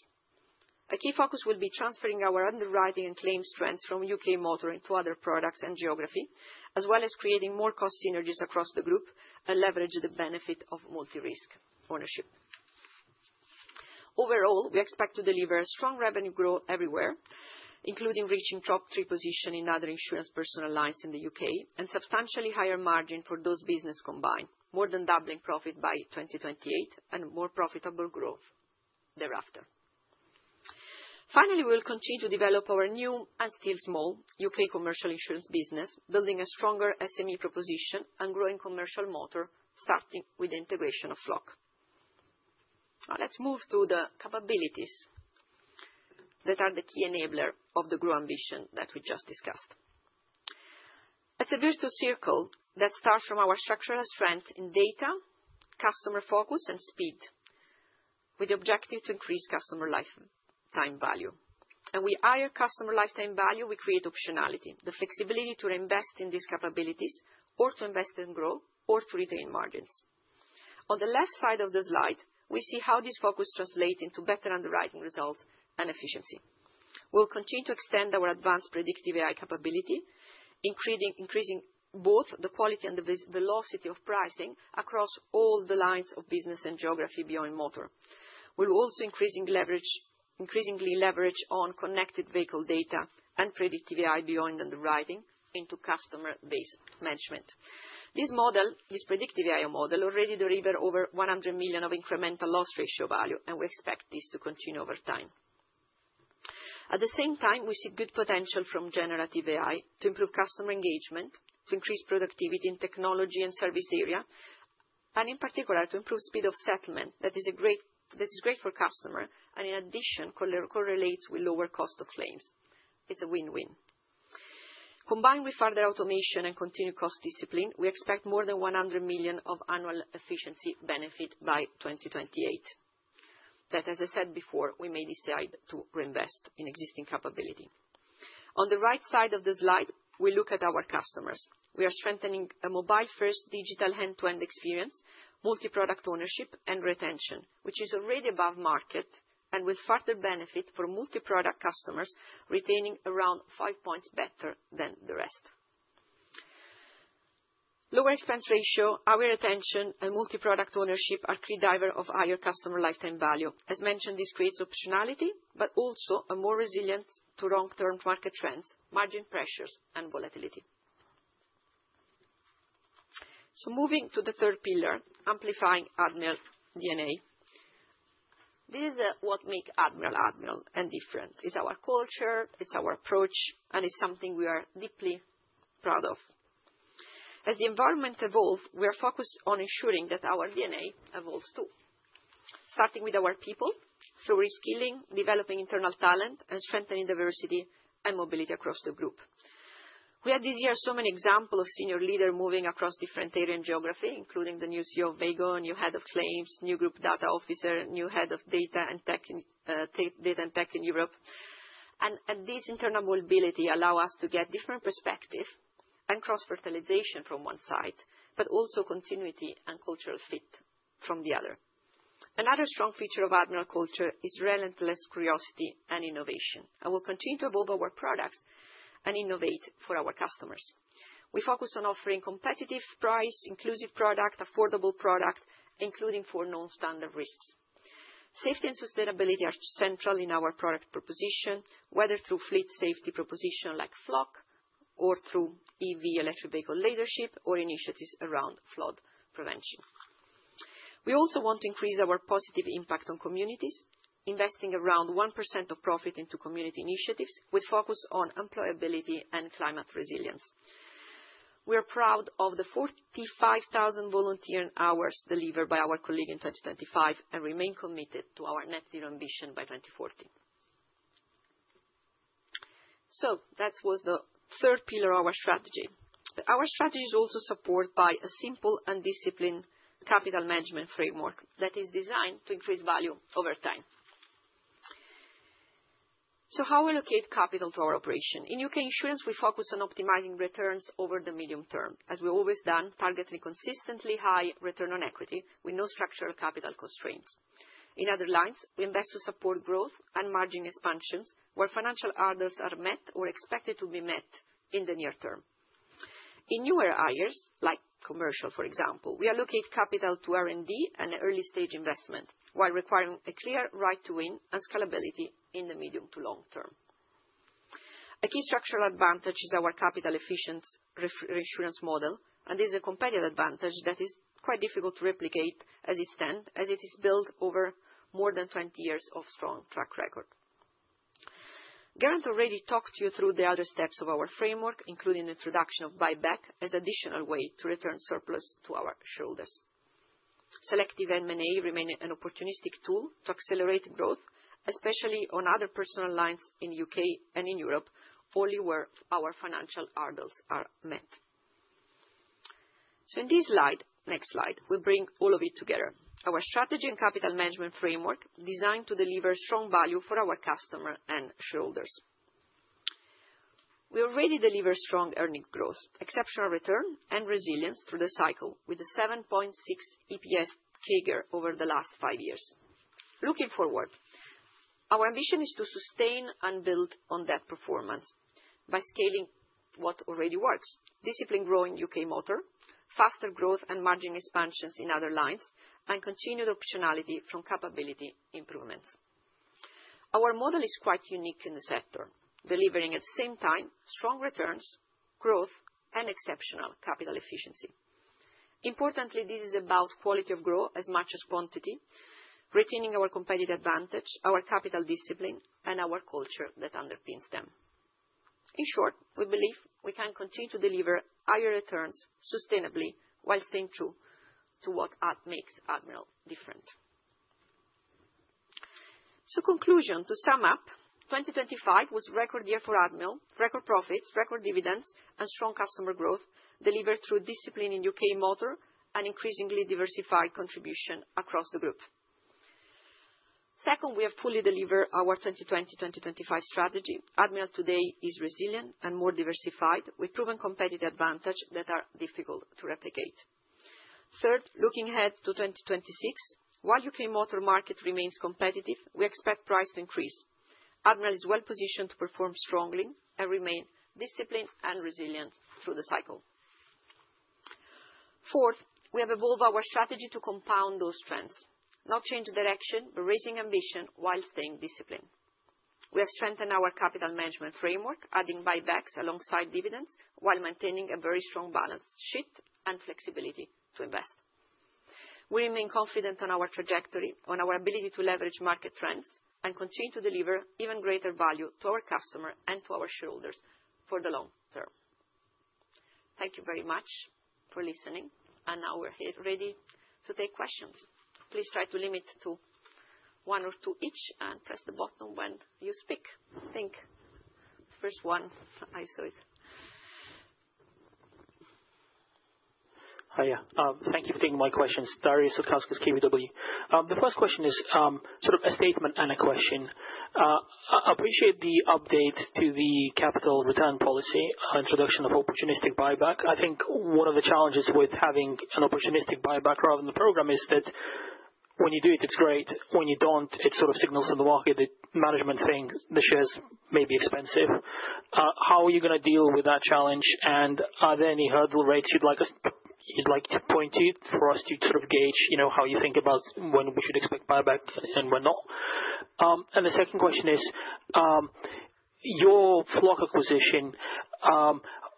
A key focus will be transferring our underwriting and claims strengths from U.K. Motor into other products and geography, as well as creating more cost synergies across the group and leverage the benefit of multi-risk ownership. Overall, we expect to deliver strong revenue growth everywhere, including reaching top three Position in other insurance personal lines in the U.K. and substantially higher margin for those business combined, more than doubling profit by 2028 and more profitable growth thereafter. Finally, we'll continue to develop our new and still small U.K. commercial insurance business, building a stronger SME proposition and growing commercial motor, starting with the integration of Flock. Let's move to the capabilities that are the key enabler of the Grow ambition that we just discussed. It's a virtual circle that start from our structural strength in data, customer focus, and speed, with the objective to increase customer lifetime value. With higher customer lifetime value, we create optionality, the flexibility to invest in these capabilities or to invest in growth or to retain margins. On the left side of the slide, we see how this focus translate into better underwriting results and efficiency. We'll continue to extend our advanced predictive AI capability, increasing both the quality and the velocity of pricing across all the lines of business and geography beyond motor. We're also increasing leverage, increasingly leverage on connected vehicle data and predictive AI beyond underwriting into customer base management. This model, this predictive AI model already deliver over 100 million of incremental loss ratio value, and we expect this to continue over time. At the same time, we see good potential from generative AI to improve customer engagement, to increase productivity in technology and service area, and in particular to improve speed of settlement that is great for customer and in addition correlates with lower cost of claims. It's a win-win. Combined with further automation and continued cost discipline, we expect more than 100 million of annual efficiency benefit by 2028 that, as I said before, we may decide to reinvest in existing capability. On the right side of the slide, we look at our customers. We are strengthening a mobile first digital end-to-end experience, multi-product ownership and retention, which is already above market and will further benefit from multi-product customers retaining around five points better than the rest. Lower expense ratio, our retention and multi-product ownership are key driver of higher customer lifetime value. As mentioned, this creates optionality but also a more resilience to long-term market trends, margin pressures and volatility. moving to the third pillar, amplifying Admiral DNA. This is what make Admiral Admiral and different. It's our culture, it's our approach, and it's something we are deeply proud of. As the environment evolve, we are focused on ensuring that our DNA evolves, too. Starting with our people through reskilling, developing internal talent, and strengthening diversity and mobility across the Group. We had this year so many example of senior leader moving across different area and geography, including the new CEO of Wayve, new head of claims, new group data officer, new head of data and tech, data and tech in Europe. This internal mobility allow us to get different perspective and cross-fertilization from one side, but also continuity and cultural fit from the other. Another strong feature of Admiral culture is relentless curiosity and innovation. We'll continue to evolve our products and innovate for our customers. We focus on offering competitive price, inclusive product, affordable product, including for non-standard risks. Safety and sustainability are central in our product proposition, whether through fleet safety proposition like Flock or through EV, electric vehicle leadership or initiatives around flood prevention. We also want to increase our positive impact on communities, investing around 1% of profit into community initiatives with focus on employability and climate resilience. We are proud of the 45,000 volunteer hours delivered by our colleague in 2025, and remain committed to our net zero ambition by 2040. That was the third pillar of our strategy. Our strategy is also supported by a simple and disciplined capital management framework that is designed to increase value over time. How we allocate capital to our operation? In U.K. Insurance, we focus on optimizing returns over the medium term, as we've always done, targeting consistently high return on equity with no structural capital constraints. In other lines, we invest to support growth and margin expansions where financial hurdles are met or expected to be met in the near term. In newer hires, like commercial for example, we allocate capital to R&D and early stage investment while requiring a clear right to win and scalability in the medium to long term. A key structural advantage is our capital efficient reinsurance model, this is a competitive advantage that is quite difficult to replicate as is stand, as it is built over more than 20 years of strong track record. Geraint already talked you through the other steps of our framework, including the introduction of buyback as additional way to return surplus to our shareholders. Selective M&A remain an opportunistic tool to accelerate growth, especially on other personal lines in U.K. and in Europe, only where our financial hurdles are met. In this slide, next slide, we bring all of it together, our strategy and capital management framework designed to deliver strong value for our customer and shareholders. We already deliver strong earnings growth, exceptional return, and resilience through the cycle with a 7.6 EPS figure over the last five years. Looking forward, our ambition is to sustain and build on that performance by scaling what already works, discipline growth in U.K. Motor, faster growth and margin expansions in other lines, and continued optionality from capability improvements. Our model is quite unique in the sector, delivering at the same time strong returns, growth, and exceptional capital efficiency. Importantly, this is about quality of growth as much as quantity, retaining our competitive advantage, our capital discipline, and our culture that underpins them. In short, we believe we can continue to deliver higher returns sustainably whilst staying true to what makes Admiral different. Conclusion, to sum up, 2025 was record year for Admiral. Record profits, record dividends and strong customer growth delivered through discipline in U.K. Motor and increasingly diversified contribution across the group. Second, we have fully delivered our 2020-2025 strategy. Admiral today is resilient and more diversified with proven competitive advantage that are difficult to replicate. Third, looking ahead to 2026, while U.K. Motor market remains competitive, we expect price to increase. Admiral is well positioned to perform strongly and remain disciplined and resilient through the cycle. Fourth, we have evolved our strategy to compound those trends. No change of direction, but raising ambition while staying disciplined. We have strengthened our capital management framework, adding buybacks alongside dividends while maintaining a very strong balance sheet and flexibility to invest. We remain confident on our trajectory, on our ability to leverage market trends and continue to deliver even greater value to our customer and to our shareholders for the long term. Thank you very much for listening. Now we're here ready to take questions. Please try to limit to one or two each and press the button when you speak. I think first one I saw is. Hi. Thank you for taking my questions. Darius Satkauskas of KBW. The first question is, sort of a statement and a question. I appreciate the update to the capital return policy, introduction of opportunistic buyback. I think one of the challenges with having an opportunistic buyback rather than the program is that when you do it's great. When you don't, it sort of signals to the market that management's saying the shares may be expensive. How are you gonna deal with that challenge? Are there any hurdle rates you'd like us, you'd like to point to for us to sort of gauge, you know, how you think about when we should expect buyback and when not? The second question is, your Flock acquisition,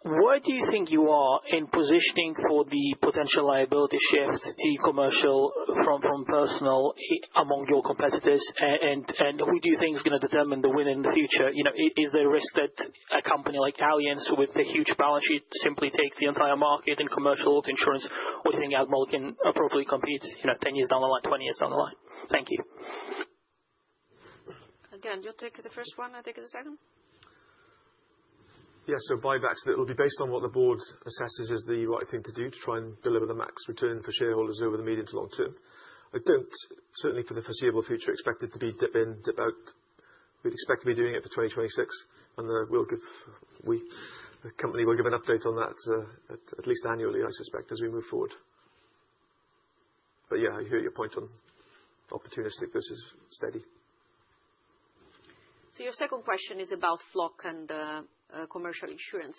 where do you think you are in positioning for the potential liability shifts to commercial from personal among your competitors? Who do you think is gonna determine the win in the future? You know, Is there a risk that a company like Allianz with a huge balance sheet simply takes the entire market in commercial insurance? Do you think Admiral can appropriately compete, you know, 10 years down the line, 20 years down the line? Thank you. You take the first one, I take the second? Buybacks, it will be based on what the board assesses is the right thing to do to try and deliver the max return for shareholders over the medium to long term. I don't, certainly for the foreseeable future, expect it to be dip in, dip out. We expect to be doing it for 2026 and the company will give an update on that at least annually, I suspect, as we move forward. I hear your point on opportunistic versus steady. Your second question is about Flock and commercial insurance.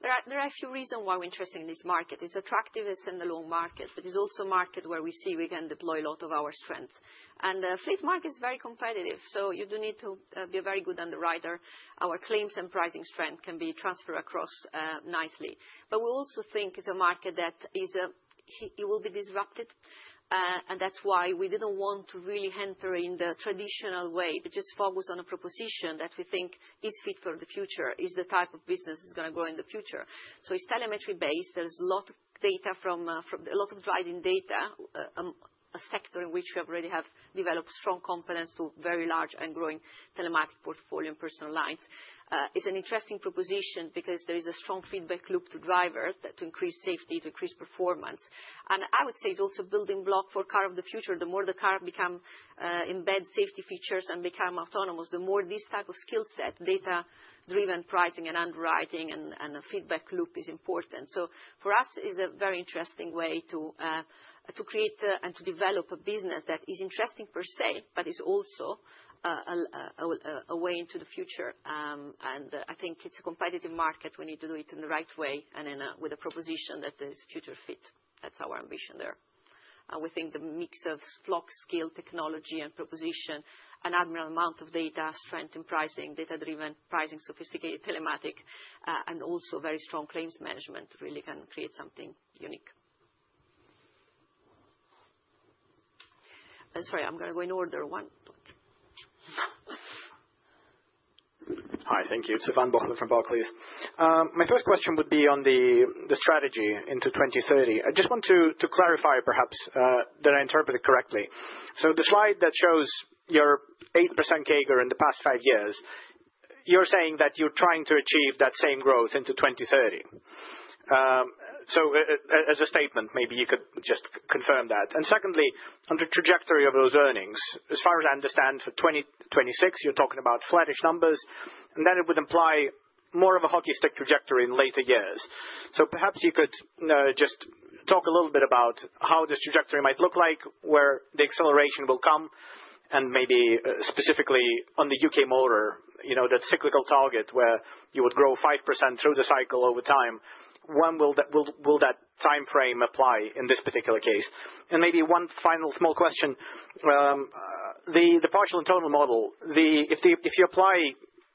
There are a few reasons why we're interested in this market. It's attractive, it's in the low market, but it's also a market where we see we can deploy a lot of our strengths. Fleet market is very competitive, so you do need to be a very good underwriter. Our claims and pricing strength can be transferred across nicely. We also think it's a market that is, it will be disrupted. That's why we didn't want to really enter in the traditional way, but just focus on a proposition that we think is fit for the future, is the type of business that's gonna grow in the future. It's telemetry based. There's a lot of data from a lot of driving data, a sector in which we already have developed strong competence through a very large and growing telematic portfolio in personal lines. It's an interesting proposition because there is a strong feedback loop to driver that to increase safety, to increase performance. I would say it's also a building block for car of the future. The more the car become embed safety features and become autonomous, the more this type of skill set, data-driven pricing and underwriting and a feedback loop is important. For us, it's a very interesting way to create and to develop a business that is interesting per se, but is also a way into the future. I think it's a competitive market. We need to do it in the right way and in a, with a proposition that is future fit. That's our ambition there. We think the mix of Flock's scale, technology and proposition and Admiral amount of data, strength in pricing, data-driven pricing, sophisticated telematic, and also very strong claims management really can create something unique. I'm sorry, I'm gonna go in order. One, two, three. Hi, thank you. It's Ivan Bokhmat from Barclays. My first question would be on the strategy into 2030. I just want to clarify perhaps that I interpret it correctly. The slide that shows your 8% CAGR in the past five years, you're saying that you're trying to achieve that same growth into 2030? As a statement, maybe you could just confirm that. Secondly, on the trajectory of those earnings, as far as I understand for 2026, you're talking about flattish numbers, then it would imply more of a hockey stick trajectory in later years. Perhaps you could just talk a little bit about how this trajectory might look like, where the acceleration will come, and maybe specifically on the U.K. Motor, you know, that cyclical target where you would grow 5% through the cycle over time. When will that timeframe apply in this particular case? Maybe one final small question. The partial and total model, if you apply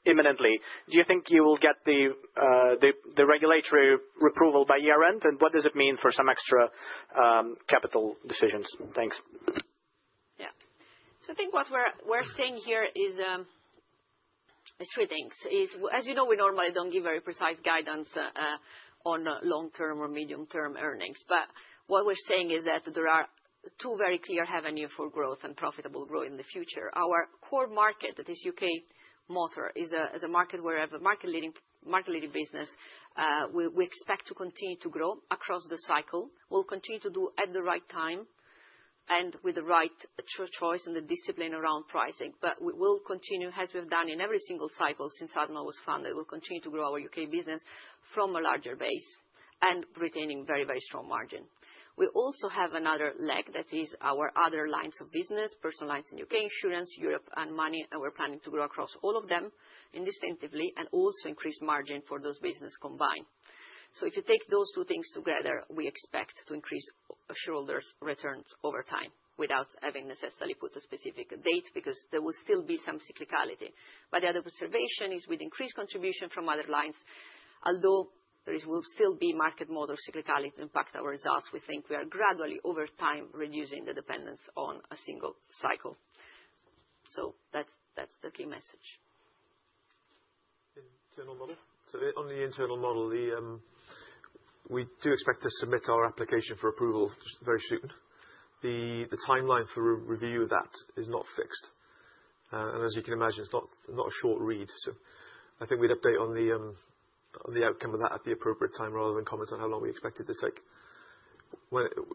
imminently, do you think you will get the regulatory approval by year end? What does it mean for some extra capital decisions? Thanks. I think what we're saying here is three things. As you know, we normally don't give very precise guidance on long-term or medium-term earnings. What we're saying is that there are two very clear avenue for growth and profitable growth in the future. Our core market, that is U.K. Motor, is a market where we have a market leading business. We expect to continue to grow across the cycle. We'll continue to do at the right time and with the right choice and the discipline around pricing. We will continue, as we've done in every single cycle since Admiral was founded, we'll continue to grow our U.K. business from a larger base and retaining very, very strong margin. We also have another leg that is our other lines of business, personal lines in U.K. Insurance, Europe and Money, and we're planning to grow across all of them indistinctively and also increase margin for those business combined. If you take those two things together, we expect to increase shareholders' returns over time without having necessarily put a specific date, because there will still be some cyclicality. The other observation is with increased contribution from other lines, although there will still be market model cyclicality to impact our results, we think we are gradually, over time, reducing the dependence on a single cycle. That's the key message. Internal model. On the internal model, we do expect to submit our application for approval very soon. The timeline for re-review of that is not fixed. As you can imagine, it's not a short read. I think we'd update on the outcome of that at the appropriate time, rather than comment on how long we expect it to take.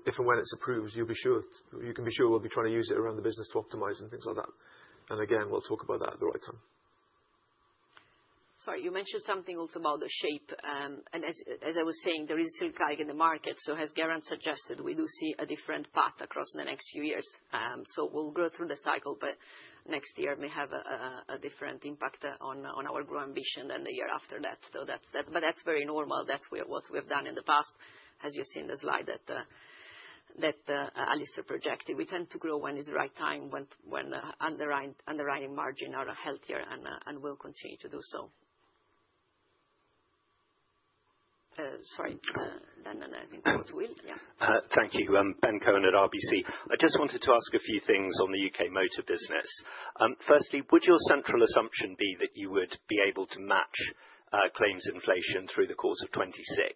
If and when it's approved, you can be sure we'll be trying to use it around the business to optimize and things like that. Again, we'll talk about that at the right time. Sorry, you mentioned something also about the shape. As I was saying, there is still CAGR in the market. As Geraint suggested, we do see a different path across the next few years. We'll grow through the cycle, but next year may have a different impact on our growth ambition than the year after that. That's that. That's very normal. That's what we have done in the past, as you see in the slide that Alistair projected. We tend to grow when it's the right time, when the underwriting margin are healthier and will continue to do so. Sorry. I think go to Will. Yeah. Thank you. Ben Cohen at RBC. I just wanted to ask a few things on the U.K. Motor business. Firstly, would your central assumption be that you would be able to match claims inflation through the course of 2026?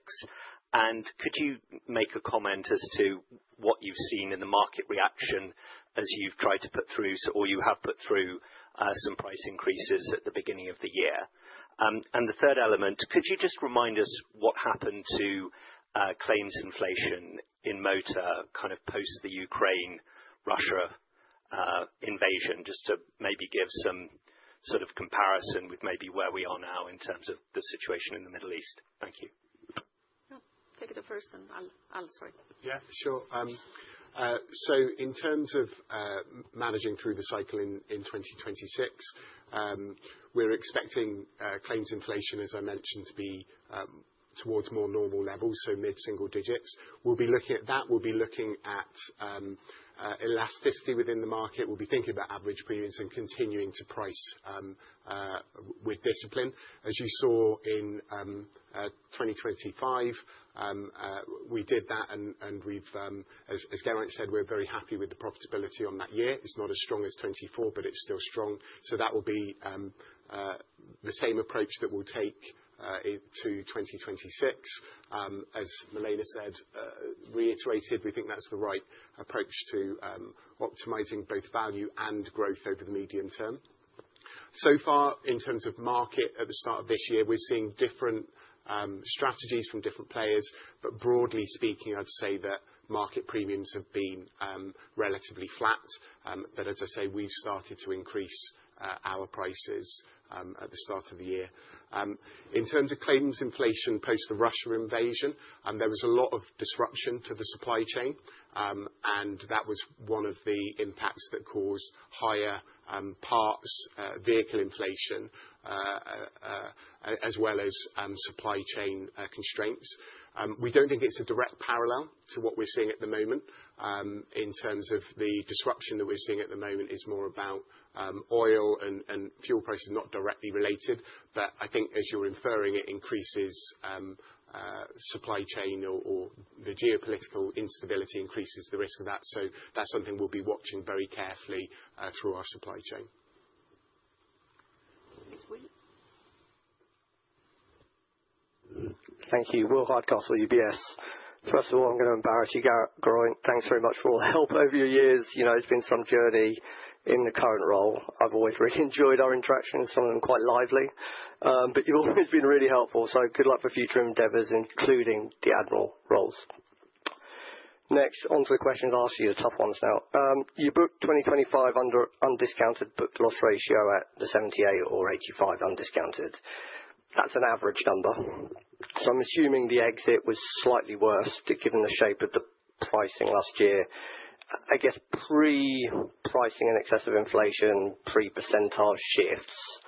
Could you make a comment as to what you've seen in the market reaction as you've tried to put through, or you have put through, some price increases at the beginning of the year? The third element, could you just remind us what happened to claims inflation in motor kind of post the Ukraine, Russia invasion, just to maybe give some sort of comparison with maybe where we are now in terms of the situation in the Middle East? Thank you. Yeah. Take it first and Alistair. Yeah, sure. So in terms of managing through the cycle in 2026, we're expecting claims inflation, as I mentioned, to be towards more normal levels, so mid-single digits. We'll be looking at that. We'll be looking at elasticity within the market. We'll be thinking about average premiums and continuing to price with discipline. As you saw in 2025, we did that and we've as Geraint said, we're very happy with the profitability on that year. It's not as strong as 2024, but it's still strong. That will be the same approach that we'll take into 2026. As Milena said, reiterated, we think that's the right approach to optimizing both value and growth over the medium term. Far, in terms of market at the start of this year, we're seeing different strategies from different players, but broadly speaking, I'd say that market premiums have been relatively flat. As I say, we've started to increase our prices at the start of the year. In terms of claims inflation post the Russia invasion, there was a lot of disruption to the supply chain, that was one of the impacts that caused higher parts, vehicle inflation, as well as supply chain constraints. We don't think it's a direct parallel to what we're seeing at the moment. In terms of the disruption that we're seeing at the moment is more about oil and fuel prices not directly related. I think as you're referring, it increases supply chain or the geopolitical instability increases the risk of that. That's something we'll be watching very carefully through our supply chain. Next, Will. Thank you. Will Hardcastle, UBS. First of all, I'm gonna embarrass you, Geraint. Thanks very much for all the help over the years. You know, it's been some journey in the current role. I've always really enjoyed our interactions, some of them quite lively. You've always been really helpful. Good luck for future endeavors, including the Admiral roles. Next, on to the questions. I'll ask you the tough ones now. You booked 2025 under undiscounted book loss ratio at the 78 or 85 undiscounted. That's an average number. I'm assuming the exit was slightly worse given the shape of the pricing last year. I guess pre-pricing and excessive inflation, pre-percentage shifts,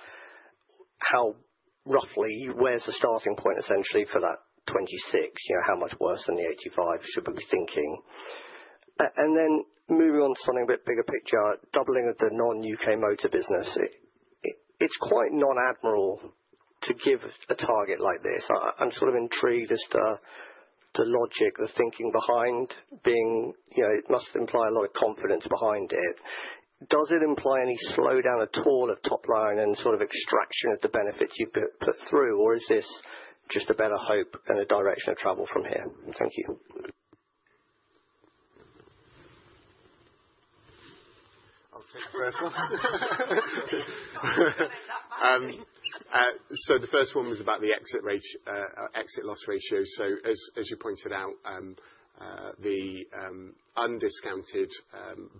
how roughly where's the starting point essentially for that 2026? You know, how much worse than the 85 should we be thinking? Moving on to something a bit bigger picture, doubling of the non-UK motor business. It's quite non-Admiral to give a target like this. I'm sort of intrigued as to. The logic, the thinking behind being, you know, it must imply a lot of confidence behind it. Does it imply any slowdown at all at top line and sort of extraction of the benefits you put through? Is this just a better hope and a direction of travel from here? Thank you. I'll take the first one. The first one was about the exit rate, exit loss ratio. As you pointed out, the undiscounted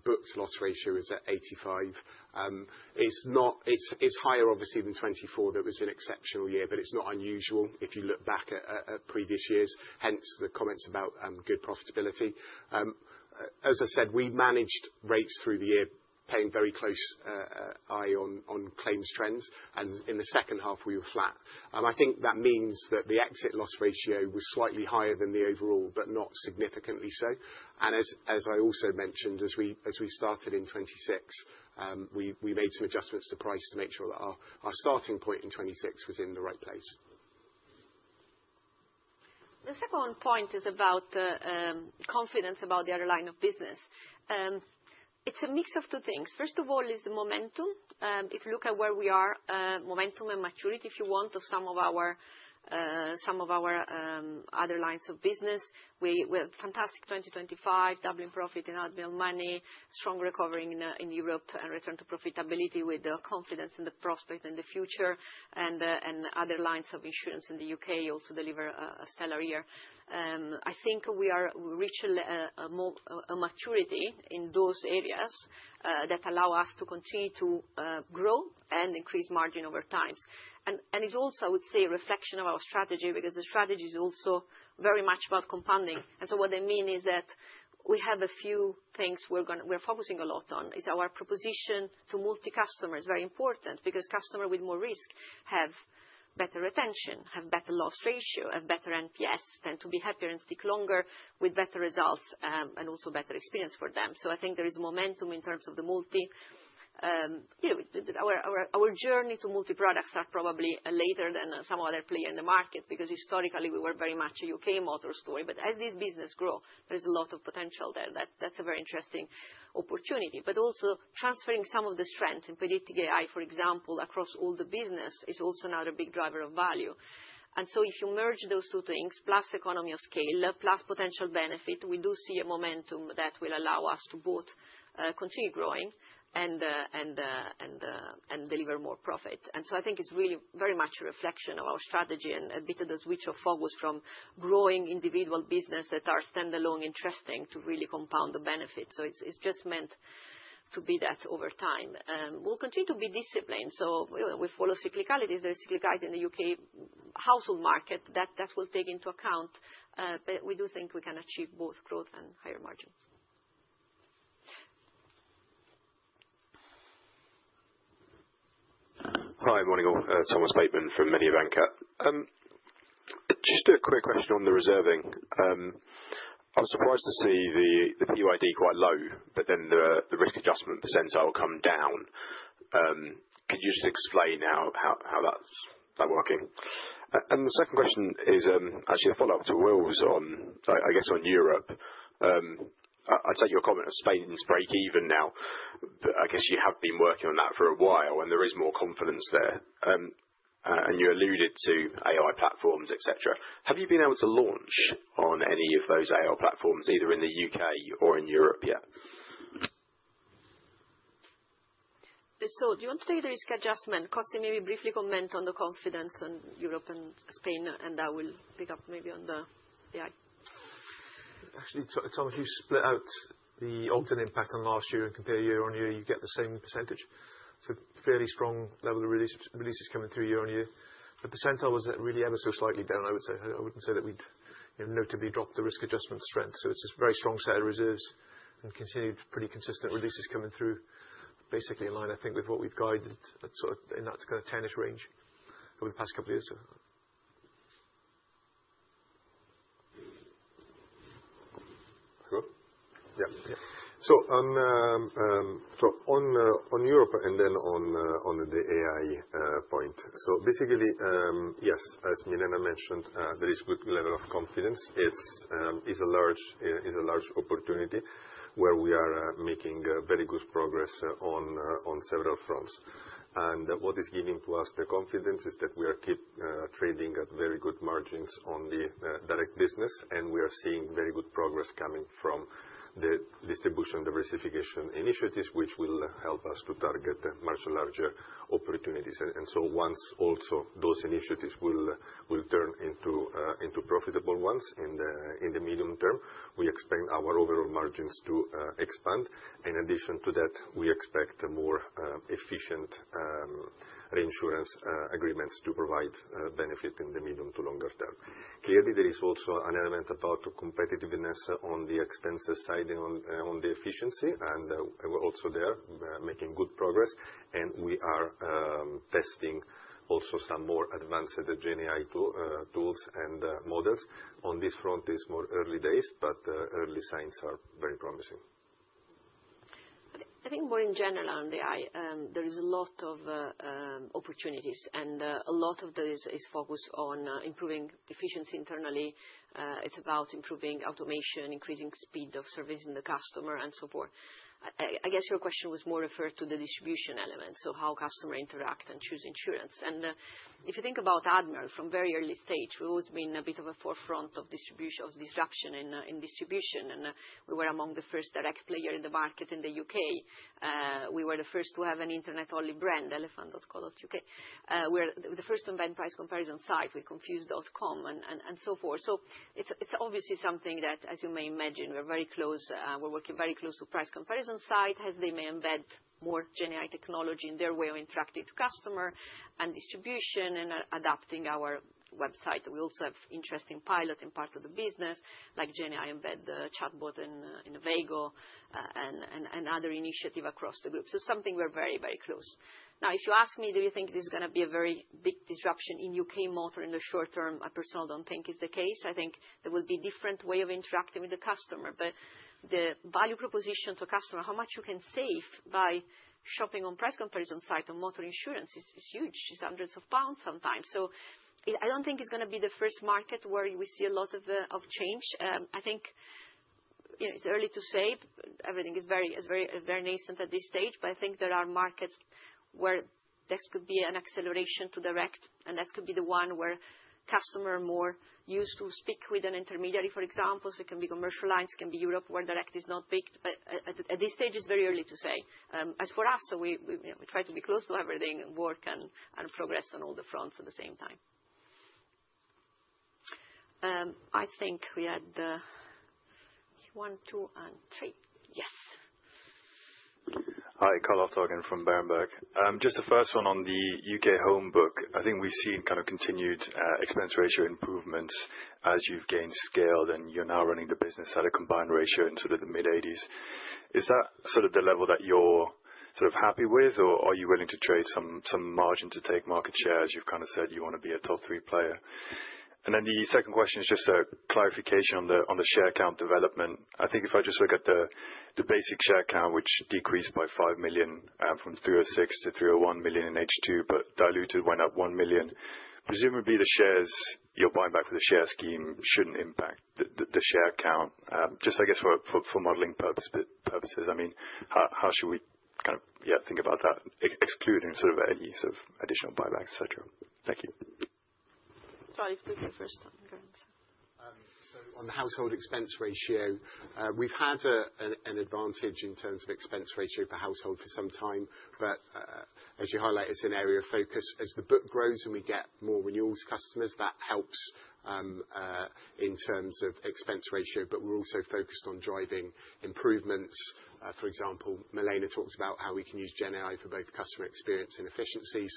booked loss ratio is at 85. It's not, it's higher obviously than 24. That was an exceptional year, it's not unusual if you look back at previous years, hence the comments about good profitability. As I said, we managed rates through the year, paying very close eye on claims trends. In the second half we were flat. I think that means that the exit loss ratio was slightly higher than the overall, but not significantly so. As I also mentioned, as we started in 26, we made some adjustments to price to make sure that our starting point in 26 was in the right place. The second point is about the confidence about the other line of business. It's a mix of two things. First of all is the momentum. If you look at where we are, momentum and maturity, if you want, of some of our some of our other lines of business, we had fantastic 2025, doubling profit in Admiral Money, strong recovery in Europe and return to profitability with the confidence and the prospect in the future and other lines of insurance in the U.K. also deliver a stellar year. I think we reach a more a maturity in those areas that allow us to continue to grow and increase margin over time. It's also, I would say, a reflection of our strategy, because the strategy is also very much about compounding. What I mean is that we're focusing a lot on. Is our proposition to multi-customer is very important because customer with more risk have better retention, have better loss ratio, have better NPS, tend to be happier and stick longer with better results, and also better experience for them. I think there is momentum in terms of the multi. You know, our, our journey to multi-products are probably later than some other player in the market because historically we were very much a U.K. Motor story. As this business grow, there is a lot of potential there. That's a very interesting opportunity. Also transferring some of the strength in predictive AI, for example, across all the business is also another big driver of value. If you merge those two things, plus economy of scale, plus potential benefit, we do see a momentum that will allow us to both continue growing and deliver more profit. I think it's really very much a reflection of our strategy and a bit of the switch of focus from growing individual business that are standalone interesting to really compound the benefits. It's just meant to be that over time. We'll continue to be disciplined. We follow cyclicalities. There are cyclicalities in the U.K. household market that will take into account. We do think we can achieve both growth and higher margins. Hi, morning all. Thomas Bateman from Mediobanca. Just a quick question on the reserving. I was surprised to see the PYD quite low, but then the risk adjustment percentile come down. Could you just explain how that's working? The second question is actually a follow-up to Will's on, I guess on Europe. I take your comment of Spain is breakeven now, I guess you have been working on that for a while and there is more confidence there. You alluded to AI platforms, et cetera. Have you been able to launch on any of those AI platforms, either in the U.K. or in Europe yet? Do you want to take the risk adjustment? Costi maybe briefly comment on the confidence in Europe and Spain, and I will pick up maybe on the AI. Actually, Tom, if you split out the Ogden impact on last year and compare YoY, you get the same percentage. It's a fairly strong level of release, releases coming through YoY. The percentile was at really ever so slightly down, I would say. I wouldn't say that we'd, you know, notably dropped the risk adjustment strength. It's this very strong set of reserves and continued pretty consistent releases coming through. Basically in line I think with what we've guided at sort of, in that kind of 10-ish range over the past couple of years. Sure. On Europe and on the AI point. Yes, as Milena mentioned, there is good level of confidence. It's a large opportunity where we are making very good progress on several fronts. What is giving to us the confidence is that we are keep trading at very good margins on the direct business, and we are seeing very good progress coming from the distribution diversification initiatives, which will help us to target much larger opportunities. Once also those initiatives will turn into profitable ones in the medium term, we expect our overall margins to expand. In addition to that, we expect more efficient reinsurance agreements to provide benefit in the medium to longer term. Clearly, there is also an element about competitiveness on the expenses side and on the efficiency, and we're also there making good progress, and we are testing also some more advanced GenAI tools and models. On this front, it's more early days, but early signs are very promising. I think more in general on AI, there is a lot of opportunities, and a lot of those is focused on improving efficiency internally. It's about improving automation, increasing speed of servicing the customer, and so forth. I guess your question was more referred to the distribution element, so how customer interact and choose insurance. If you think about Admiral from very early stage, we've always been a bit of a forefront of disruption in distribution. We were among the first direct player in the market in the UK. We were the first to have an internet-only brand, elephant.co.uk. We're the first to embed price comparison site with Confused.com and so forth. It's obviously something that, as you may imagine, we're very close... We're working very close to Price Comparison Site as they may embed more GenAI technology in their way of interacting with customer and distribution and adapting our website. We also have interesting pilots in part of the business, like GenAI embed the chatbot in Veygo and other initiative across the group. Something we're very close. Now, if you ask me, do you think this is gonna be a very big disruption in U.K. Motor in the short term? I personally don't think it's the case. I think there will be different way of interacting with the customer, but the value proposition to a customer, how much you can save by shopping on Price Comparison Site on motor insurance is huge. It's hundreds of pounds sometimes. I don't think it's gonna be the first market where we see a lot of change. I think, you know, it's early to say. Everything is very, very nascent at this stage, but I think there are markets where this could be an acceleration to direct, and this could be the one where customer more used to speak with an intermediary, for example, so it can be commercial lines, it can be Europe, where direct is not big. At this stage, it's very early to say. As for us, you know, we try to be close to everything and work and progress on all the fronts at the same time. I think we had one, two, and three. Yes. Hi. Carl Lofthagen from Berenberg. Just the first one on the U.K. Home book. I think we've seen kind of continued expense ratio improvements as you've gained scale, and you're now running the business at a combined ratio in sort of the mid-eighties. Is that sort of the level that you're sort of happy with, or are you willing to trade some margin to take market share, as you've kind of said you want to be a top three player? The second question is just a clarification on the share count development. I think if I just look at the basic share count, which decreased by 5 million, from 306 million-301 million in H2, but diluted went up 1 million. Presumably, the shares you're buying back for the share scheme shouldn't impact the share count. Just I guess for modeling purposes, I mean, how should we kind of, yeah, think about that excluding sort of any sort of additional buybacks, et cetera? Thank you. Al take the first, current. On the household expense ratio, we've had an advantage in terms of expense ratio per household for some time, as you highlight, it's an area of focus. As the book grows and we get more renewals customers, that helps in terms of expense ratio, we're also focused on driving improvements. For example, Milena talks about how we can use GenAI for both customer experience and efficiency,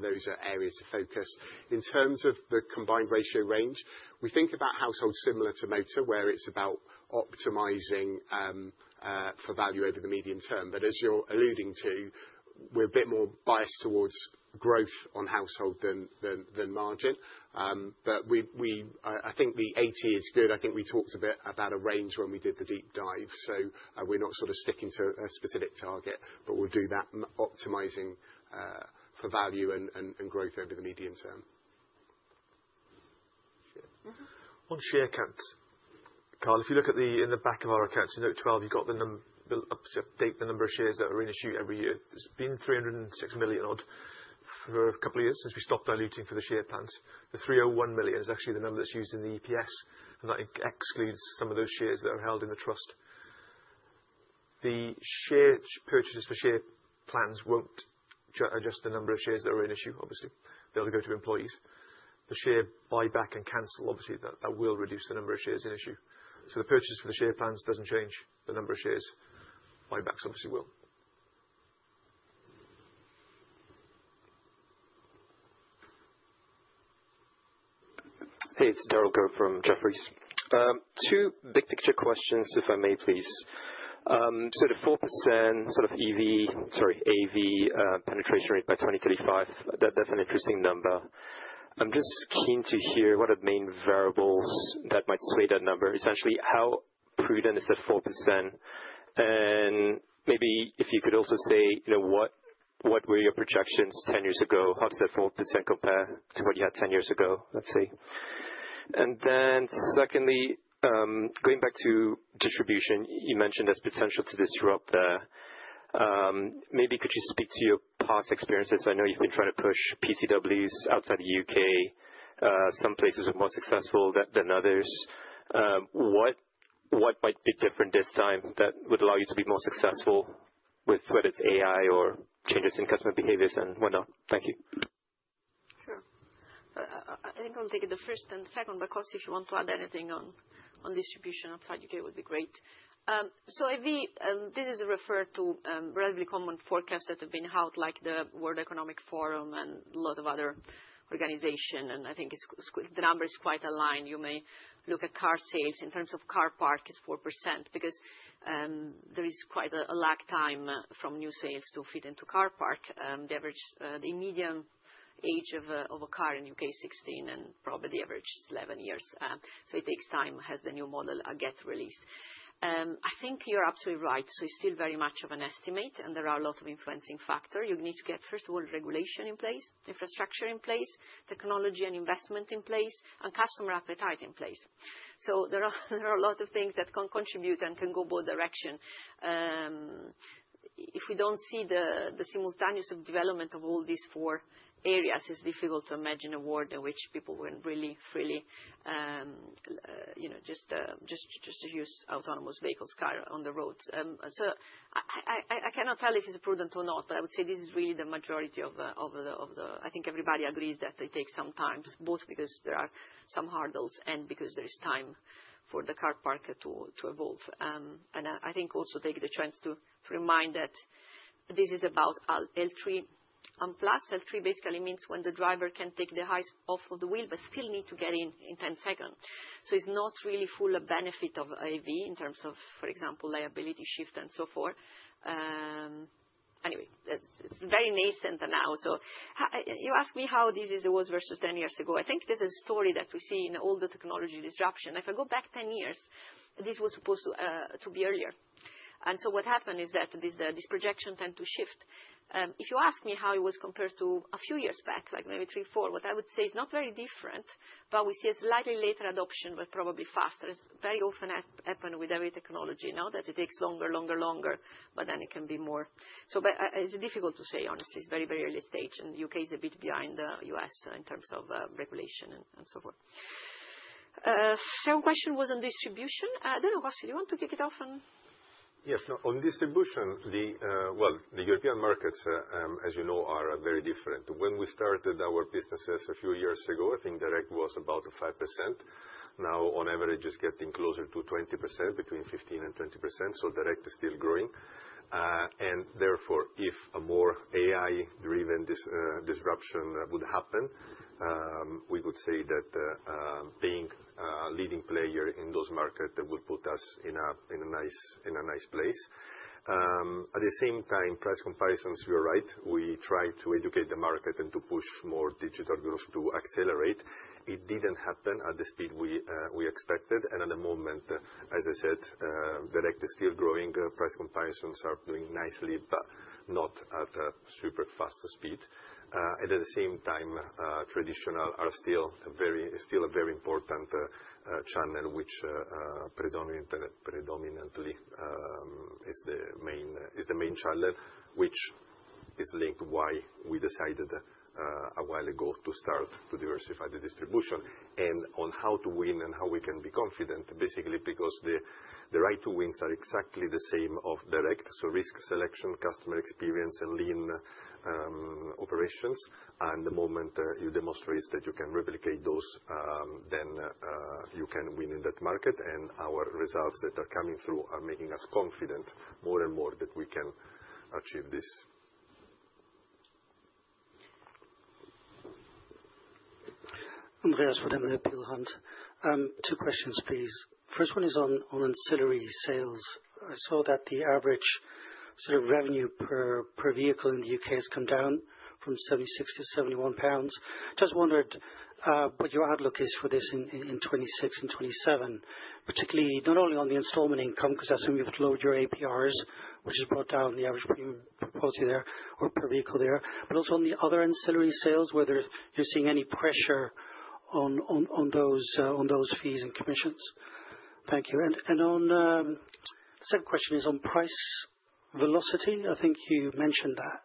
those are areas of focus. In terms of the combined ratio range, we think about households similar to motor, where it's about optimizing for value over the medium term. As you're alluding to, we're a bit more biased towards growth on household than margin. We think the 80 is good. I think we talked a bit about a range when we did the deep dive. We're not sort of sticking to a specific target, but we'll do that, optimizing for value and growth over the medium term. Mm-hmm. On share count. Carl, if you look in the back of our accounts in note 12, you've got the update, the number of shares that are in issue every year. It's been 306 million-odd for a couple of years since we stopped diluting for the share plans. The 301 million is actually the number that's used in the EPS, and that excludes some of those shares that are held in the trust. The share purchases for share plans won't adjust the number of shares that are in issue, obviously. They only go to employees. The share buyback and cancel, obviously, that will reduce the number of shares in issue. The purchase for the share plans doesn't change the number of shares. Buybacks obviously will. Hey, it's Derald Goh from Jefferies. Two big picture questions, if I may, please. The 4% sort of EV, AV, penetration rate by 2035, that's an interesting number. I'm just keen to hear what are the main variables that might sway that number. Essentially, how prudent is that 4%? Maybe if you could also say, you know, what were your projections 10 years ago? How does that 4% compare to what you had 10 years ago, let's say? Secondly, going back to distribution, you mentioned there's potential to disrupt the... Maybe could you speak to your past experiences? I know you've been trying to push PCWs outside the UK. Some places were more successful than others. What might be different this time that would allow you to be more successful with whether it's AI or changes in customer behaviors and what not? Thank you. Sure. I think I'll take the first and second, but Cos, if you want to add anything on distribution outside U.K., it would be great. AV, this is a refer to relatively common forecasts that have been held like the World Economic Forum and a lot of other organization, and I think it's the number is quite aligned. You may look at car sales. In terms of car park, it's 4% because there is quite a lag time from new sales to fit into car park, the average, the median age of a car in U.K. is 16, and probably the average is 11 years. It takes time as the new model gets released. I think you're absolutely right, it's still very much of an estimate, and there are a lot of influencing factor. You need to get, first of all, regulation in place, infrastructure in place, technology and investment in place, and customer appetite in place. There are a lot of things that can contribute and can go both direction. If we don't see the simultaneous of development of all these four areas, it's difficult to imagine a world in which people will really freely, you know, just use autonomous vehicles, car on the roads. I cannot tell if it's prudent or not, but I would say this is really the majority of the, of the, of the... I think everybody agrees that it takes some time, both because there are some hurdles and because there is time for the car park to evolve. I think also take the chance to remind that this is about L3. Plus L3 basically means when the driver can take their hands off of the wheel, but still need to get in in 10 second. It's not really full benefit of AV in terms of, for example, liability shift and so forth. Anyway, it's very nascent now. You ask me how this is, it was versus 10 years ago. I think this is a story that we see in all the technology disruption. If I go back 10 years, this was supposed to be earlier. What happened is that this projection tend to shift. If you ask me how it was compared to a few years back, like maybe three, four, what I would say is not very different. We see a slightly later adoption, but probably faster. It's very often happen with every technology now that it takes longer, but then it can be more so. It's difficult to say, honestly. It's very, very early stage. U.K. is a bit behind the U.S. in terms of regulation and so forth. Second question was on distribution. I don't know, Costi, do you want to kick it off? Yes. No, on distribution, the European markets, as you know, are very different. When we started our businesses a few years ago, I think direct was about 5%. Now, on average, it's getting closer to 20%, between 15% and 20%, so direct is still growing. Therefore, if a more AI-driven disruption would happen, we would say that being a leading player in those market would put us in a nice place. At the same time, price comparisons, you're right, we try to educate the market and to push more digital growth to accelerate. It didn't happen at the speed we expected. At the moment, as I said, direct is still growing. Price comparisons are doing nicely, but not at a super fast speed. At the same time, traditional are still a very important channel, which predominantly is the main channel, which is linked why we decided a while ago to start to diversify the distribution. On how to win and how we can be confident, basically because the right two wings are exactly the same of direct, so risk selection, customer experience, and lean operations. The moment you demonstrate that you can replicate those, then you can win in that market. Our results that are coming through are making us confident more and more that we can achieve this. Andreas from Peel Hunt. two questions, please. First one is on ancillary sales. I saw that the average sort of revenue per vehicle in the U.K. has come down from 76-71 pounds. Just wondered what your outlook is for this in 2026 and 2027, particularly not only on the installment income, 'cause I assume you've lowered your APRs, which has brought down the average premium per policy there or per vehicle there, but also on the other ancillary sales, whether you're seeing any pressure on those fees and commissions. Thank you. 2nd question is on price velocity. I think you mentioned that.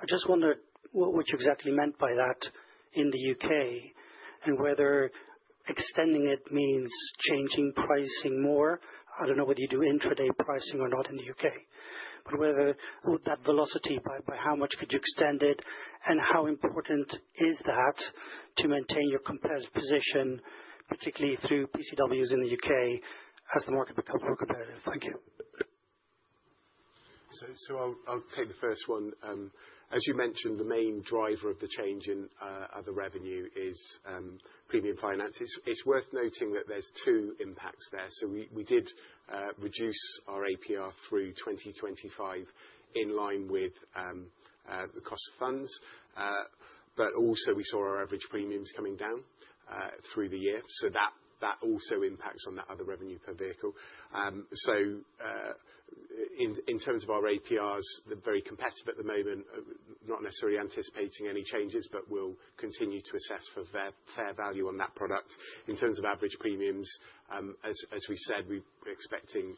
I just wondered what you exactly meant by that in the U.K., and whether extending it means changing pricing more. I don't know whether you do intraday pricing or not in the U.K.. Whether with that velocity, by how much could you extend it, and how important is that to maintain your competitive position, particularly through PCWs in the U.K. as the market becomes more competitive? Thank you. I'll take the first one. As you mentioned, the main driver of the change in other revenue is premium finance. It's worth noting that there's two impacts there. We did reduce our APR through 2025 in line with the cost of funds. Also we saw our average premiums coming down through the year, so that also impacts on that other revenue per vehicle. In terms of our APRs, they're very competitive at the moment. Not necessarily anticipating any changes, but we'll continue to assess for fair value on that product. In terms of average premiums, as we've said, we're expecting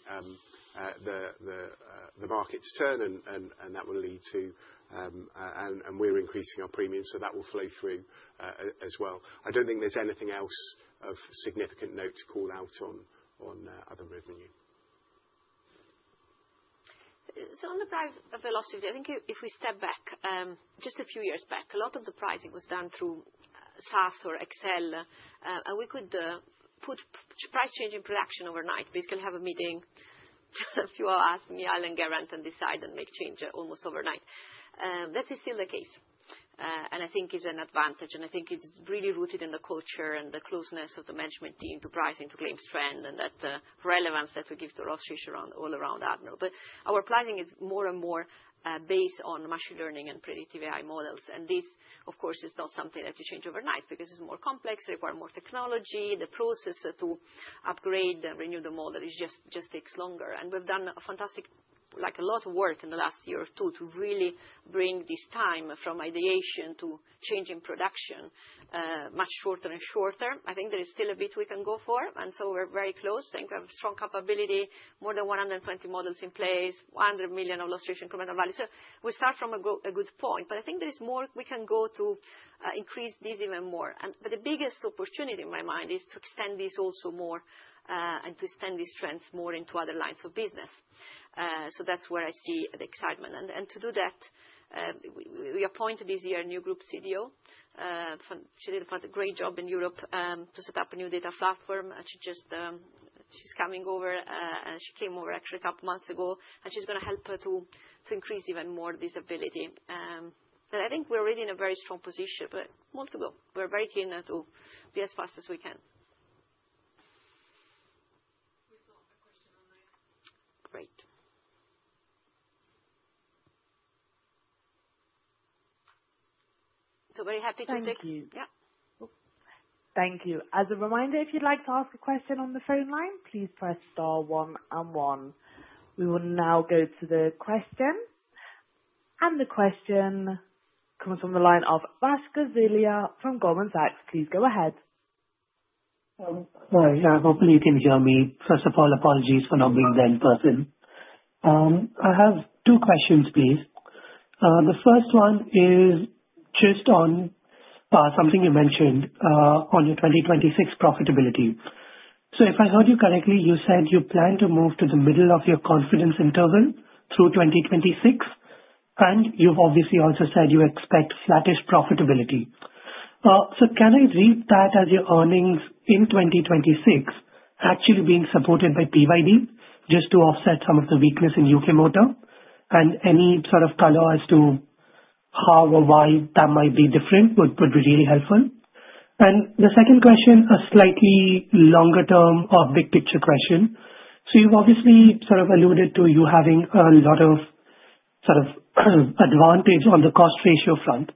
the market to turn and that will lead to. We're increasing our premiums, so that will flow through as well. I don't think there's anything else of significant note to call out on other revenue. On the price velocity, I think if we step back, just a few years back, a lot of the pricing was done through SaaS or Excel, and we could put price change in production overnight. Basically have a meeting. If you ask me, Al and Geraint, and decide and make change almost overnight. That is still the case. I think it's an advantage, and I think it's really rooted in the culture and the closeness of the management team to pricing, to claims trend, and that relevance that we give to roster issue around all around Admiral. Our planning is more and more based on machine learning and predictive AI models. This, of course, is not something that you change overnight because it's more complex, require more technology. The process to upgrade and renew the model is just takes longer. We've done a fantastic like a lot of work in the last year or two to really bring this time from ideation to change in production much shorter and shorter. I think there is still a bit we can go for, so we're very close. I think we have strong capability, more than 120 models in place, 100 million illustration incremental value. We start from a good point. I think there is more we can go to increase this even more. The biggest opportunity in my mind is to extend this also more and to extend this strength more into other lines of business. That's where I see the excitement. To do that, we appoint this year a new group CDO. She did a great job in Europe to set up a new data platform. She just... She's coming over, she came over actually a couple months ago, and she's gonna help her to increase even more this ability. I think we're already in a very strong position, but months ago, we were very keen now to be as fast as we can. We've got a question on the-. Great. very happy to Thank you. Yeah. Thank you. As a reminder, if you'd like to ask a question on the phone line, please press star one one. We will now go to the questions. The question comes from the line of Vash Gosalia from Goldman Sachs. Please go ahead. Hi. Hopefully you can hear me. First of all, apologies for not being there in person. I have two questions, please. The first one is just on something you mentioned on your 2026 profitability. If I heard you correctly, you said you plan to move to the middle of your confidence interval through 2026, and you've obviously also said you expect flattish profitability. Can I read that as your earnings in 2026 actually being supported by PYD just to offset some of the weakness in U.K. Motor? Any sort of color as to how or why that might be different would be really helpful. The second question, a slightly longer term or big picture question. You've obviously sort of alluded to you having a lot of, sort of advantage on the cost ratio front,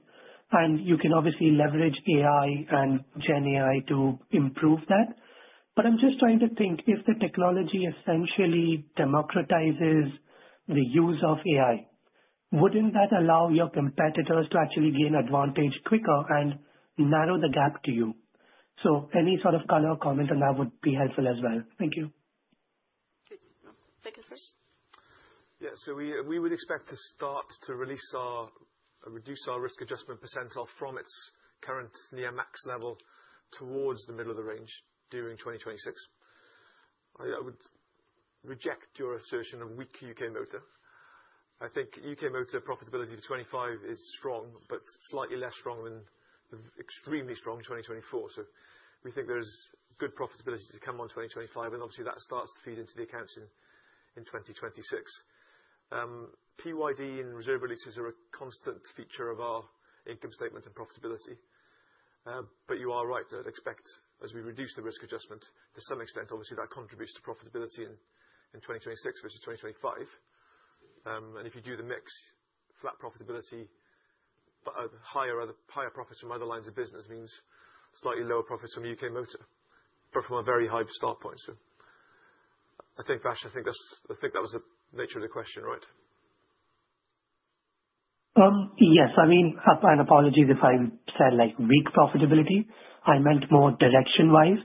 and you can obviously leverage AI and GenAI to improve that. I'm just trying to think, if the technology essentially democratizes the use of AI, wouldn't that allow your competitors to actually gain advantage quicker and narrow the gap to you? Any sort of color or comment on that would be helpful as well. Thank you. Good. Take the first. Yeah. We would expect to start to Reduce our risk adjustment percentile from its current near max level towards the middle of the range during 2026. I would reject your assertion of weak U.K. Motor. I think U.K. Motor profitability for 25 is strong, but slightly less strong than extremely strong in 2024. We think there's good profitability to come on in 2025, and obviously that starts to feed into the accounts in 2026. PYD and reserve releases are a constant feature of our income statement and profitability. You are right to expect as we reduce the risk adjustment to some extent, obviously that contributes to profitability in 2026 versus 2025. If you do the mix, flat profitability, but higher, other higher profits from other lines of business means slightly lower profits from U.K. Motor, but from a very high start point. I think Vash, I think that was the nature of the question, right? Yes. I mean, apologies if I said, like, weak profitability. I meant more direction-wise.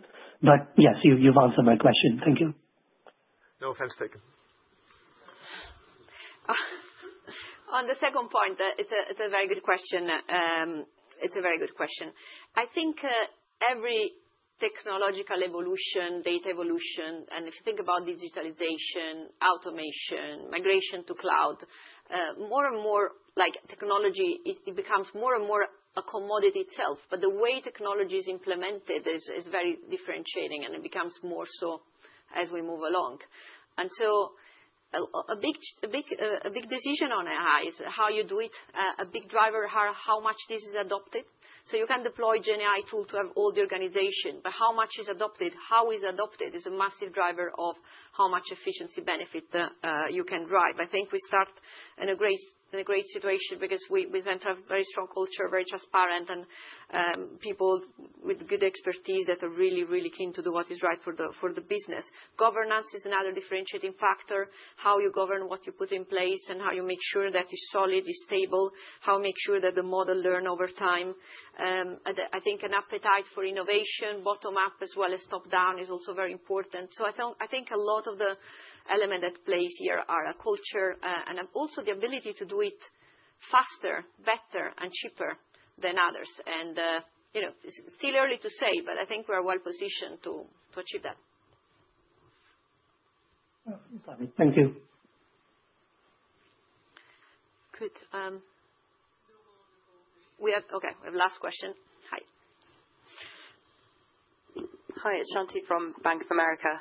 Yes, you've answered my question. Thank you. No offense taken. On the second point, it's a very good question. It's a very good question. I think every technological evolution, data evolution, and if you think about digitalization, automation, migration to cloud, more and more, like, technology, it becomes more and more a commodity itself. But the way technology is implemented is very differentiating and it becomes more so as we move along. So a big decision on AI is how you do it, a big driver, how much this is adopted. So you can deploy GenAI tool to have all the organization, but how much is adopted, how is adopted is a massive driver of how much efficiency benefit you can drive. I think we start in a great, in a great situation because we then have very strong culture, very transparent and people with good expertise that are really, really keen to do what is right for the business. Governance is another differentiating factor. How you govern what you put in place, and how you make sure that it's solid, it's stable, how make sure that the model learn over time. I think an appetite for innovation, bottom up as well as top-down is also very important. I think a lot of the element at plays here are a culture and also the ability to do it faster, better and cheaper than others. You know, it's still early to say, but I think we are well positioned to achieve that. Fine. Thank you. Good. We have last question. Hi. Hi, it's Shanti from Bank of America.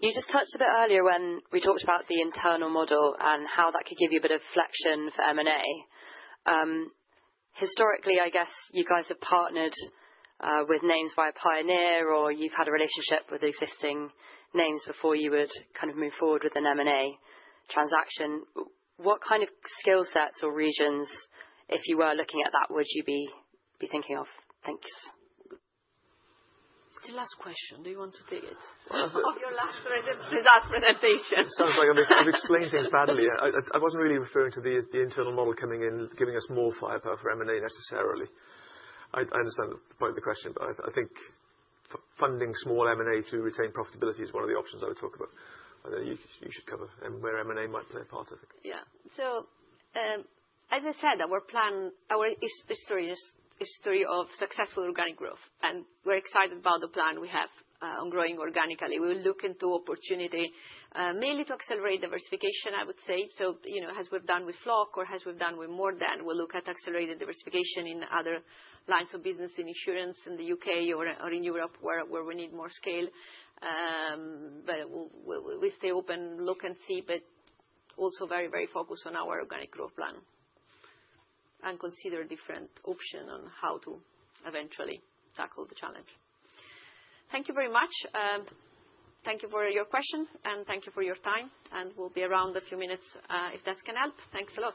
You just touched a bit earlier when we talked about the internal model and how that could give you a bit of flexion for M&A. Historically, I guess you guys have partnered with names via Pioneer, or you've had a relationship with existing names before you would kind of move forward with an M&A transaction. What kind of skill sets or regions, if you were looking at that, would you be thinking of? Thanks. It's the last question. Do you want to take it? Your last presentation. Sounds like I've explained things badly. I wasn't really referring to the internal model coming in, giving us more firepower for M&A necessarily. I understand the point of the question, but I think funding small M&A to retain profitability is one of the options I would talk about. You should cover and where M&A might play a part of it. Yeah. As I said, our history is history of successful organic growth, and we're excited about the plan we have on growing organically. We'll look into opportunity, mainly to accelerate diversification, I would say. You know, as we've done with Flock or as we've done with More Than, we'll look at accelerated diversification in other lines of business, in insurance in the U.K. or in Europe where we need more scale. We stay open, look and see, but also very, very focused on our organic growth plan, and consider different option on how to eventually tackle the challenge. Thank you very much. Thank you for your question, and thank you for your time, and we'll be around a few minutes, if this can help. Thanks a lot.